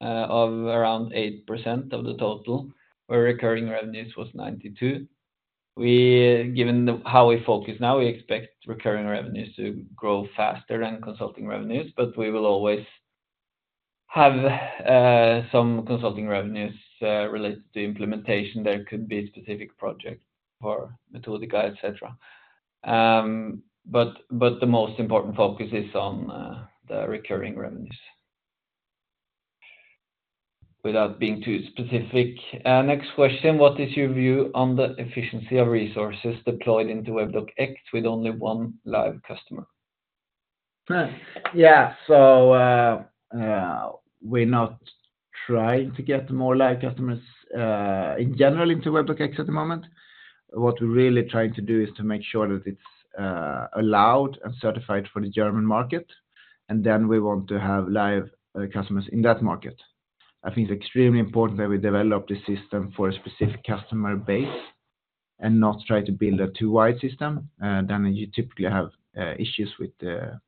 C: of around 8% of the total, where recurring revenues was 92%. Given how we focus now, we expect recurring revenues to grow faster than consulting revenues. But we will always have some consulting revenues related to implementation. There could be specific projects for Metodika, etc. But the most important focus is on the recurring revenues without being too specific. Next question. What is your view on the efficiency of resources deployed into Webdoc X with only one live customer?
B: Yeah. So we're not trying to get more live customers in general into Webdoc X at the moment. What we're really trying to do is to make sure that it's allowed and certified for the German market. And then we want to have live customers in that market. I think it's extremely important that we develop the system for a specific customer base and not try to build a too wide system. Then you typically have issues with the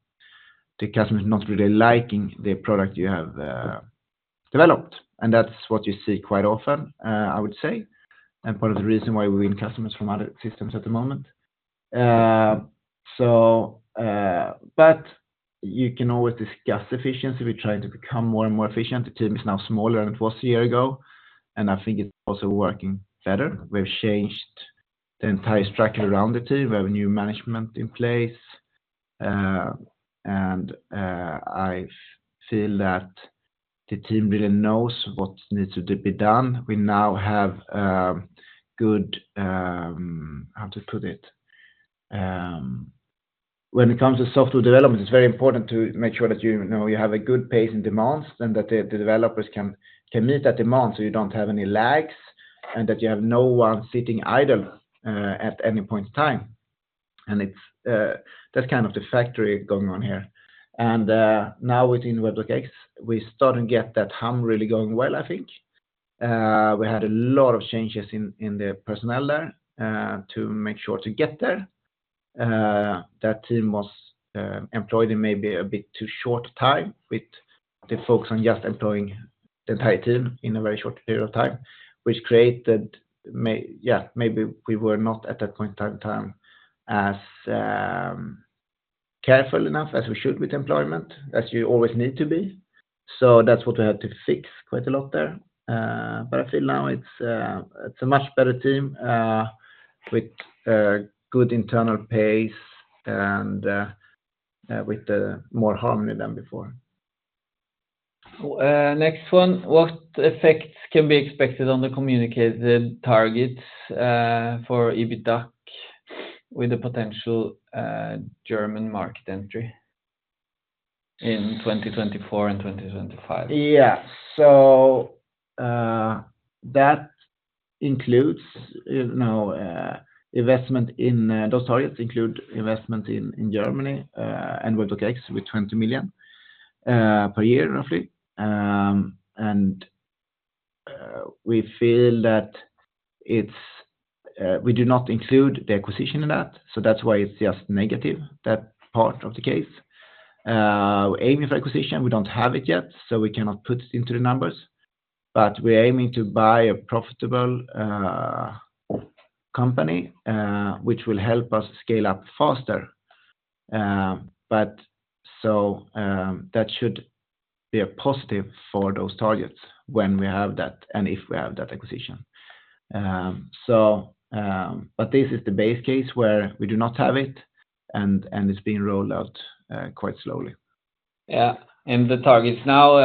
B: customers not really liking the product you have developed. And that's what you see quite often, I would say, and part of the reason why we win customers from other systems at the moment. But you can always discuss efficiency. We're trying to become more and more efficient. The team is now smaller than it was a year ago. And I think it's also working better. We've changed the entire structure around the team. We have a new management in place. And I feel that the team really knows what needs to be done. We now have good how to put it? When it comes to software development, it's very important to make sure that you have a good pace in demands and that the developers can meet that demand so you don't have any lags and that you have no one sitting idle at any point in time. That's kind of the factory going on here. Now within Webdoc X, we start to get that hum really going well, I think. We had a lot of changes in the personnel there to make sure to get there. That team was employed in maybe a bit too short time with the focus on just employing the entire team in a very short period of time, which created, yeah, maybe we were not at that point in time as careful enough as we should with employment, as you always need to be. That's what we had to fix quite a lot there. I feel now it's a much better team with good internal pace and with more harmony than before.
C: Next one. What effects can be expected on the communicated targets for EBITDA with the potential German market entry in 2024 and 2025?
B: Yeah. So that includes investment in those targets include investments in Germany and Webdoc X with 20 million per year, roughly. And we feel that we do not include the acquisition in that. So that's why it's just negative, that part of the case. Aiming for acquisition, we don't have it yet, so we cannot put it into the numbers. But we're aiming to buy a profitable company, which will help us scale up faster. So that should be a positive for those targets when we have that and if we have that acquisition. But this is the base case where we do not have it, and it's being rolled out quite slowly.
C: Yeah. And the targets now,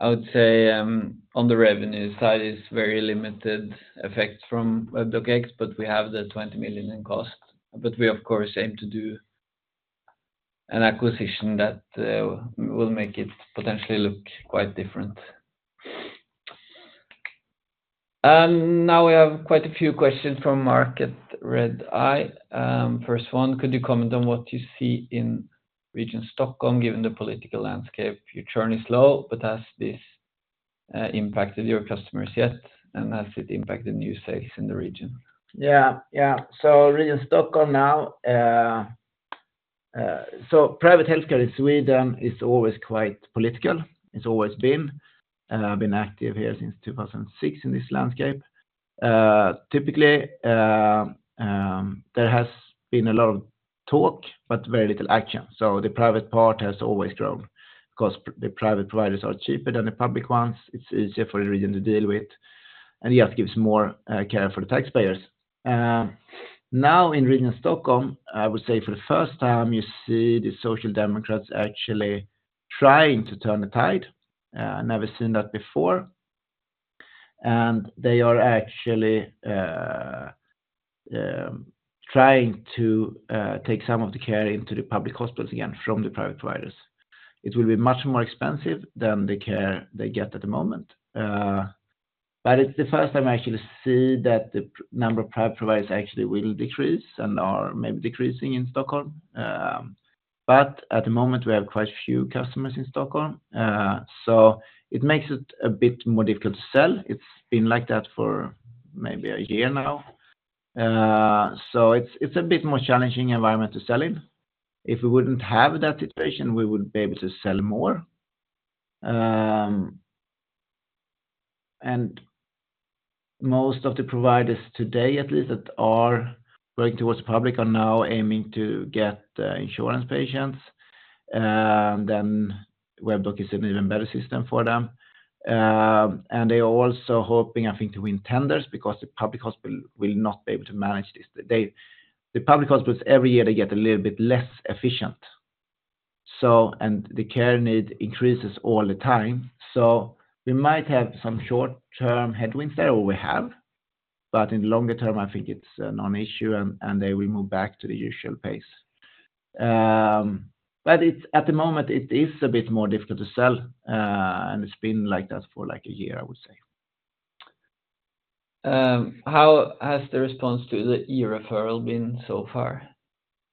C: I would say, on the revenue side is very limited effect from Webdoc X, but we have the 20 million in cost. But we, of course, aim to do an acquisition that will make it potentially look quite different. Now we have quite a few questions from Market Red Eye. First one. Could you comment on what you see in Region Stockholm, given the political landscape? Your churn is low, but has this impacted your customers yet? And has it impacted new sales in the region?
B: Yeah. Yeah. So, Region Stockholm, now, so private healthcare in Sweden is always quite political. It's always been. I've been active here since 2006 in this landscape. Typically, there has been a lot of talk but very little action. So the private part has always grown because the private providers are cheaper than the public ones. It's easier for the region to deal with, and it just gives more care for the taxpayers. Now in Region Stockholm, I would say for the first time, you see the Social Democrats actually trying to turn the tide. Never seen that before. And they are actually trying to take some of the care into the public hospitals again from the private providers. It will be much more expensive than the care they get at the moment. But it's the first time I actually see that the number of private providers actually will decrease and are maybe decreasing in Stockholm. But at the moment, we have quite few customers in Stockholm. So it makes it a bit more difficult to sell. It's been like that for maybe a year now. So it's a bit more challenging environment to sell in. If we wouldn't have that situation, we would be able to sell more. And most of the providers today, at least, that are working towards the public are now aiming to get insurance patients. Then WebDoc is an even better system for them. And they are also hoping, I think, to win tenders because the public hospital will not be able to manage this. The public hospitals, every year, they get a little bit less efficient. And the care need increases all the time. So we might have some short-term headwinds there, or we have. But in the longer term, I think it's not an issue, and they will move back to the usual pace. But at the moment, it is a bit more difficult to sell. And it's been like that for like a year, I would say.
C: How has the response to the e-referral been so far?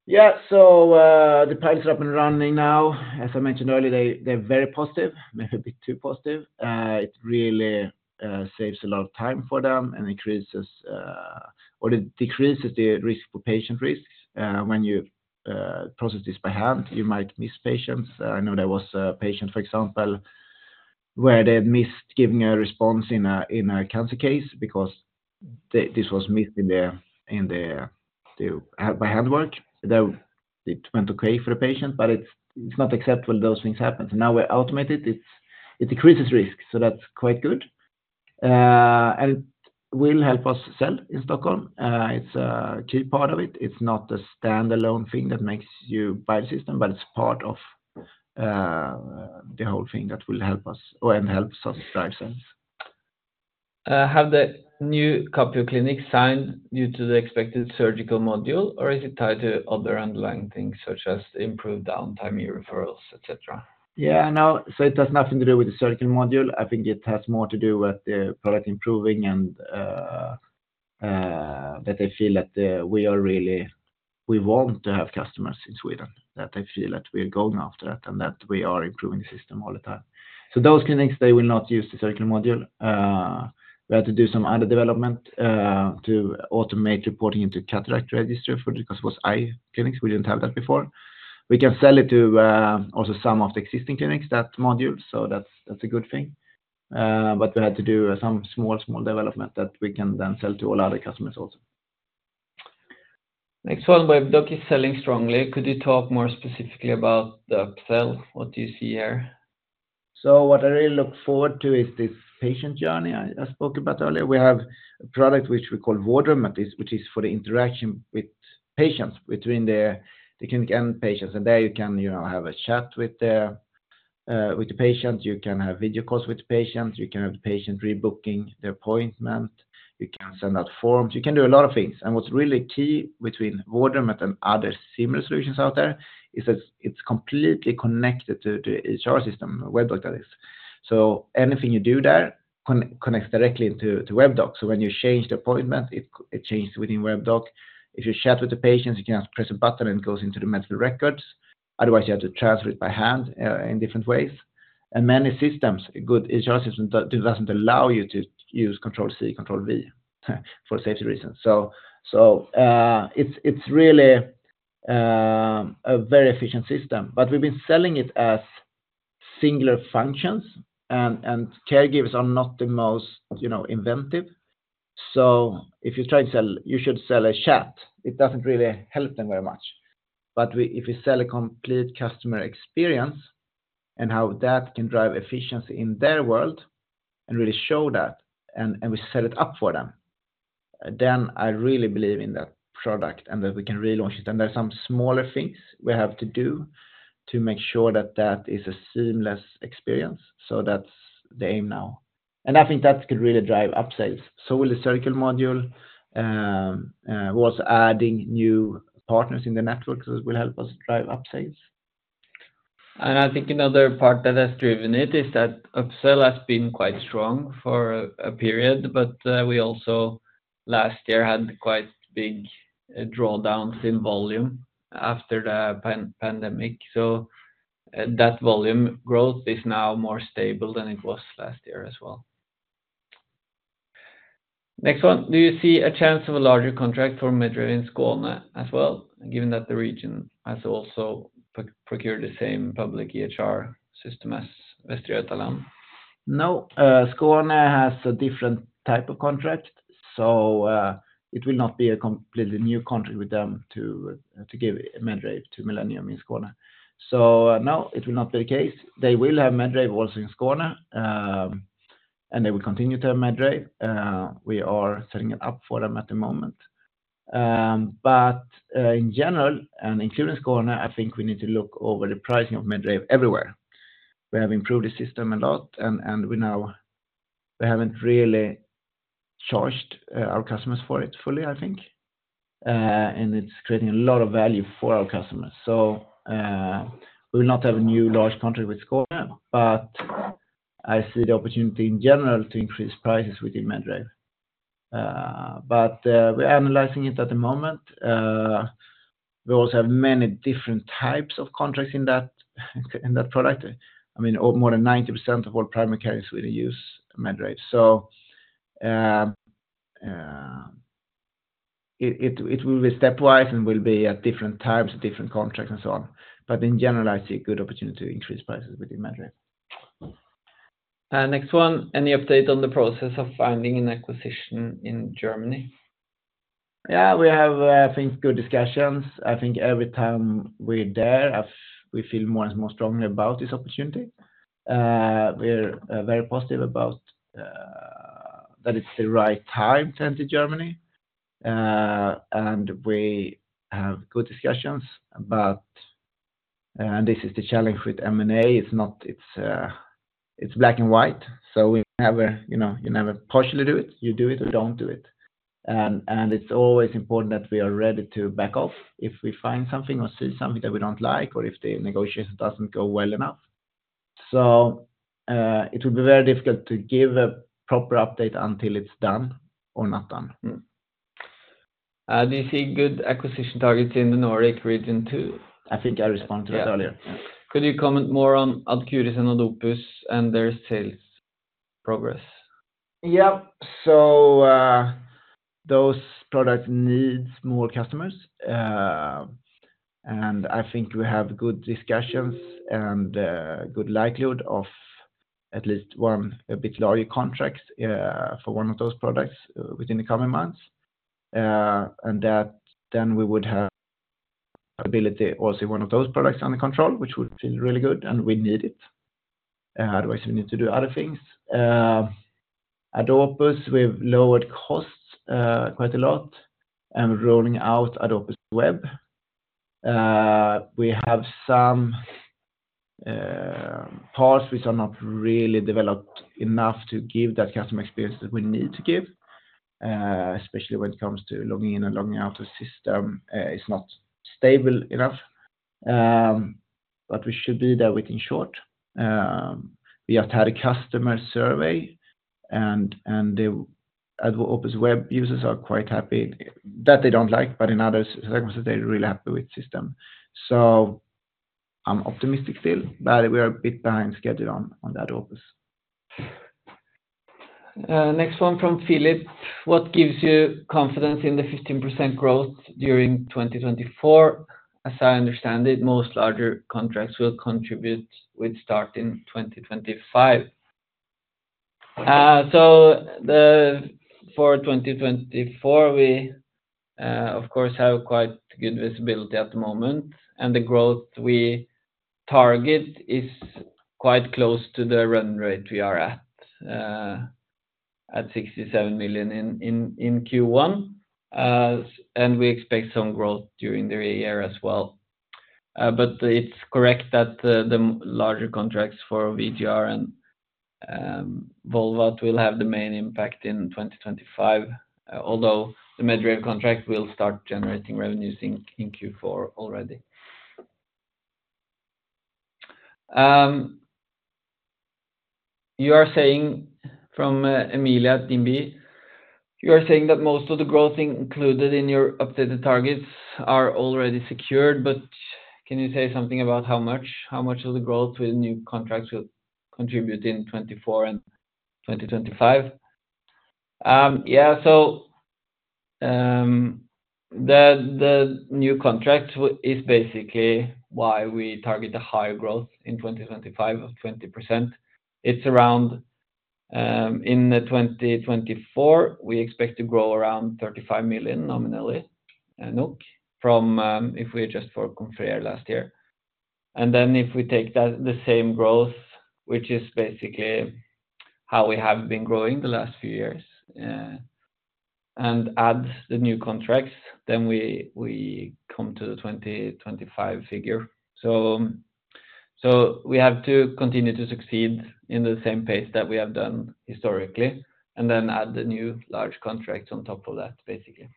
B: Yeah. So the pilots are up and running now. As I mentioned earlier, they are very positive, maybe a bit too positive. It really saves a lot of time for them and decreases the risk for patient risks. When you process this by hand, you might miss patients. I know there was a patient, for example, where they had missed giving a response in a cancer case because this was missed in the by hand work. It went okay for the patient, but it's not acceptable that those things happen. So now we automate it. It decreases risk. So that's quite good. And it will help us sell in Stockholm. It's a key part of it. It's not a standalone thing that makes you buy the system, but it's part of the whole thing that will help us and helps us drive sales.
C: Have the new Capio clinics signed due to the expected surgical module, or is it tied to other underlying things such as improved downtime e-referrals, etc.?
B: Yeah. So it has nothing to do with the surgical module. I think it has more to do with the product improving and that they feel that we want to have customers in Sweden, that they feel that we're going after that and that we are improving the system all the time. So those clinics, they will not use the surgical module. We had to do some other development to automate reporting into the cataract register because it was eye clinics. We didn't have that before. We can sell it to also some of the existing clinics, that module. So that's a good thing. But we had to do some small, small development that we can then sell to all other customers also.
C: Next one. Webdoc is selling strongly. Could you talk more specifically about the upsell? What do you see here?
B: So what I really look forward to is this patient journey I spoke about earlier. We have a product which we call Vårdrummet, which is for the interaction with patients between the clinic and patients. And there you can have a chat with the patient. You can have video calls with the patient. You can have the patient rebooking their appointment. You can send out forms. You can do a lot of things. And what's really key between Vårdrummet and other similar solutions out there is that it's completely connected to the EHR system, WebDoc that is. So anything you do there connects directly into WebDoc. So when you change the appointment, it changes within WebDoc. If you chat with the patients, you can press a button and it goes into the medical records. Otherwise, you have to transfer it by hand in different ways. And many systems, a good EHR system, doesn't allow you to use Control C, Control V for safety reasons. So it's really a very efficient system. But we've been selling it as singular functions, and caregivers are not the most inventive. So if you're trying to sell, you should sell a chat. It doesn't really help them very much. But if we sell a complete customer experience and how that can drive efficiency in their world and really show that, and we set it up for them, then I really believe in that product and that we can relaunch it. And there are some smaller things we have to do to make sure that that is a seamless experience. So that's the aim now. And I think that could really drive upsales. So will the surgical module. We're also adding new partners in the network that will help us drive upsales.
C: And I think another part that has driven it is that upsell has been quite strong for a period. But we also last year had quite big drawdowns in volume after the pandemic. So that volume growth is now more stable than it was last year as well. Next one. Do you see a chance of a larger contract for Medrave in Skåne as well, given that the region has also procured the same public EHR system as Västra Götaland?
B: No. Skåne has a different type of contract. So it will not be a completely new contract with them to give Medrave to Millennium in Skåne. So no, it will not be the case. They will have Medrave also in Skåne, and they will continue to have Medrave. We are setting it up for them at the moment. But in general, and including Skåne, I think we need to look over the pricing of Medrave everywhere. We have improved the system a lot, and we haven't really charged our customers for it fully, I think. And it's creating a lot of value for our customers. So we will not have a new large contract with Skåne, but I see the opportunity in general to increase prices within Medrave. But we're analyzing it at the moment. We also have many different types of contracts in that product. I mean, more than 90% of all primary care in Sweden use Medrave. So it will be stepwise and will be at different times, different contracts, and so on. But in general, I see a good opportunity to increase prices within Medrave.
C: Next one. Any update on the process of finding an acquisition in Germany?
B: Yeah. We have, I think, good discussions. I think every time we're there, we feel more and more strongly about this opportunity. We're very positive about that it's the right time to enter Germany. We have good discussions. This is the challenge with M&A. It's black and white. You never partially do it. You do it or don't do it. It's always important that we are ready to back off if we find something or see something that we don't like or if the negotiation doesn't go well enough. It will be very difficult to give a proper update until it's done or not done.
C: Do you see good acquisition targets in the Nordic region too?
B: I think I responded to that earlier.
C: Could you comment more on AdCuris and AdOpus and their sales progress?
B: Yeah. So those products need more customers. I think we have good discussions and good likelihood of at least one a bit larger contract for one of those products within the coming months. Then we would have ability also in one of those products under control, which would feel really good, and we need it. Otherwise, we need to do other things. AdOpus, we've lowered costs quite a lot and rolling out AdOpus Web. We have some parts which are not really developed enough to give that customer experience that we need to give, especially when it comes to logging in and logging out of the system. It's not stable enough. But we should be there within short. We just had a customer survey, and AdOpus Web users are quite happy that they don't like, but in other circumstances, they are really happy with the system. I'm optimistic still, but we are a bit behind schedule on AdOpus.
C: Next one from Philip. What gives you confidence in the 15% growth during 2024? As I understand it, most larger contracts will contribute with start in 2025. So for 2024, we, of course, have quite good visibility at the moment. And the growth we target is quite close to the run rate we are at, at 67 million in Q1. And we expect some growth during the year as well. But it's correct that the larger contracts for VGR and Volvat will have the main impact in 2025, although the Medrave contract will start generating revenues in Q4 already. You are saying from Emilia, you are saying that most of the growth included in your updated targets are already secured. But can you say something about how much of the growth with new contracts will contribute in 2024 and 2025? Yeah. So the new contract is basically why we target a higher growth in 2025 of 20%. In 2024, we expect to grow around 35 million nominally, if we adjust for Confrere last year. And then if we take the same growth, which is basically how we have been growing the last few years, and add the new contracts, then we come to the 2025 figure. So we have to continue to succeed in the same pace that we have done historically and then add the new large contracts on top of that, basically.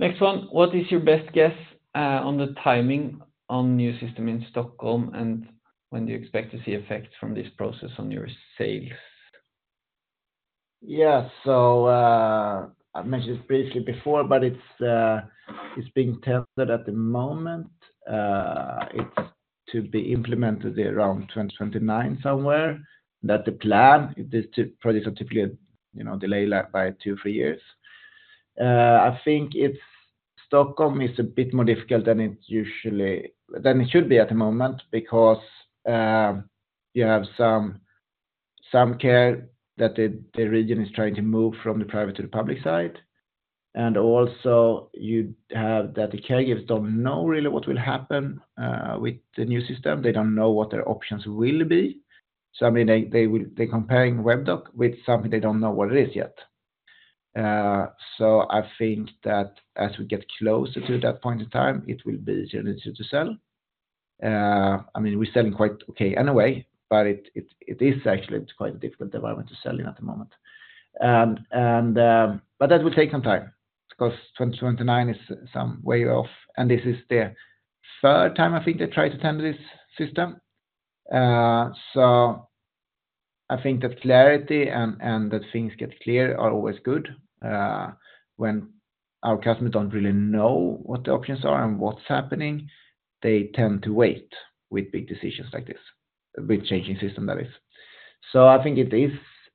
C: Next one. What is your best guess on the timing on new system in Stockholm, and when do you expect to see effects from this process on your sales?
B: Yeah. So I mentioned this briefly before, but it's being tendered at the moment. It's to be implemented around 2029 somewhere. The plan is these two projects are typically delayed by two, three years. I think Stockholm is a bit more difficult than it usually than it should be at the moment because you have some care that the region is trying to move from the private to the public side. And also you have that the caregivers don't know really what will happen with the new system. They don't know what their options will be. So I mean, they are comparing WebDoc with something they don't know what it is yet. So I think that as we get closer to that point in time, it will be easier and easier to sell. I mean, we're selling quite okay anyway, but it is actually quite a difficult environment to sell in at the moment. But that will take some time because 2029 is some way off. And this is the third time I think they tried to tender this system. So I think that clarity and that things get clear are always good. When our customers don't really know what the options are and what's happening, they tend to wait with big decisions like this, with changing systems, that is. So I think it is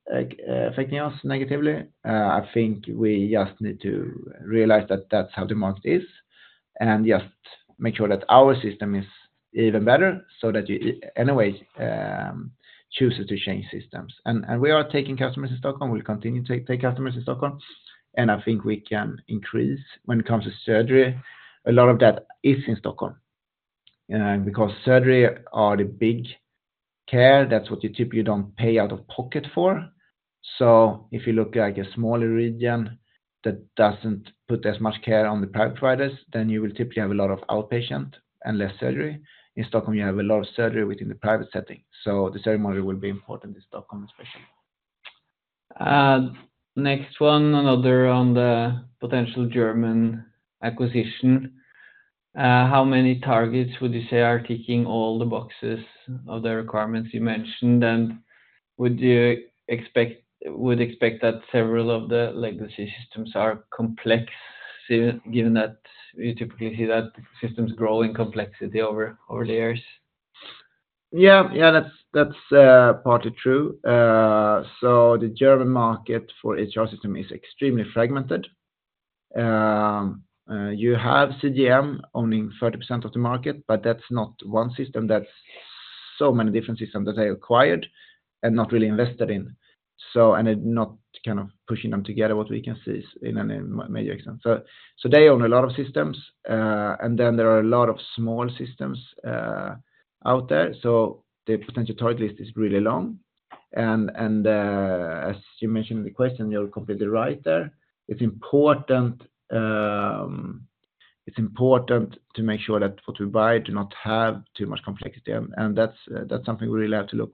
B: affecting us negatively. I think we just need to realize that that's how the market is and just make sure that our system is even better so that you anyway choose to change systems. And we are taking customers in Stockholm. We'll continue to take customers in Stockholm. I think we can increase when it comes to surgery. A lot of that is in Stockholm because surgery are the big care. That's what you typically don't pay out of pocket for. If you look at a smaller region that doesn't put as much care on the private providers, then you will typically have a lot of outpatient and less surgery. In Stockholm, you have a lot of surgery within the private setting. The surgery model will be important in Stockholm, especially.
C: Next one, another on the potential German acquisition. How many targets would you say are ticking all the boxes of the requirements you mentioned? And would you expect that several of the legacy systems are complex, given that you typically see that systems grow in complexity over the years?
B: Yeah. Yeah. That's partly true. So the German market for EHR system is extremely fragmented. You have CGM owning 30% of the market, but that's not one system. That's so many different systems that they acquired and not really invested in, and not kind of pushing them together, what we can see in any major extent. So they own a lot of systems. And then there are a lot of small systems out there. So the potential target list is really long. And as you mentioned in the question, you're completely right there. It's important to make sure that what we buy does not have too much complexity. And that's something we really have to look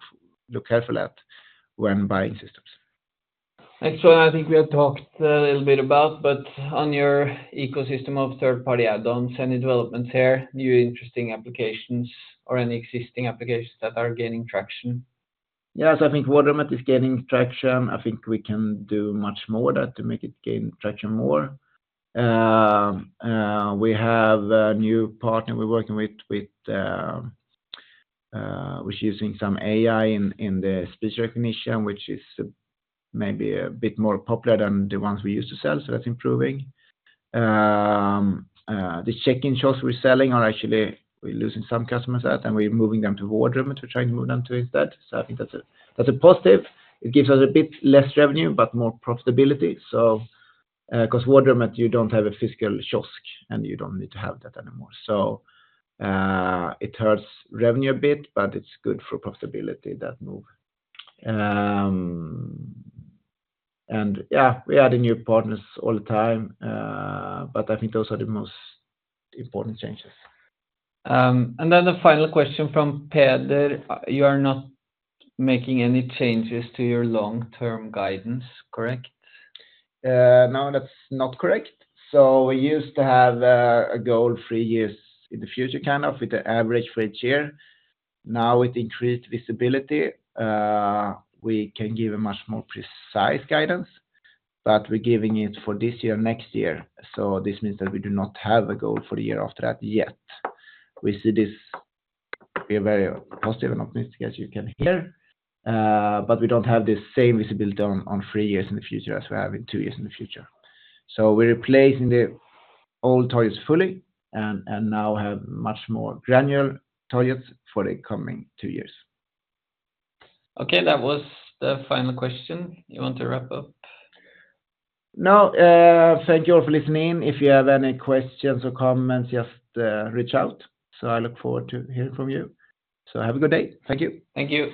B: carefully at when buying systems.
C: Next one. I think we have talked a little bit about, but on your ecosystem of third-party add-ons and developments here, new interesting applications or any existing applications that are gaining traction?
B: Yeah. So I think Vårdrummet is gaining traction. I think we can do much more to make it gain traction more. We have a new partner we're working with, which is using some AI in the speech recognition, which is maybe a bit more popular than the ones we used to sell. So that's improving. The check-in kiosks we're selling are actually we're losing some customers at, and we're moving them to Vårdrummet, which we're trying to move them to instead. So I think that's a positive. It gives us a bit less revenue but more profitability because Vårdrummet, you don't have a physical kiosk, and you don't need to have that anymore. So it hurts revenue a bit, but it's good for profitability, that move. And yeah, we add new partners all the time. But I think those are the most important changes.
C: Then the final question from Peder. You are not making any changes to your long-term guidance, correct?
B: No, that's not correct. We used to have a goal three years in the future, kind of, with the average for each year. Now, with increased visibility, we can give a much more precise guidance, but we're giving it for this year, next year. This means that we do not have a goal for the year after that yet. We see this be a very positive and optimistic as you can hear. But we don't have the same visibility on three years in the future as we have in two years in the future. We're replacing the old targets fully and now have much more granular targets for the coming two years.
C: Okay. That was the final question. You want to wrap up?
B: No. Thank you all for listening. If you have any questions or comments, just reach out. I look forward to hearing from you. Have a good day. Thank you.
C: Thank you.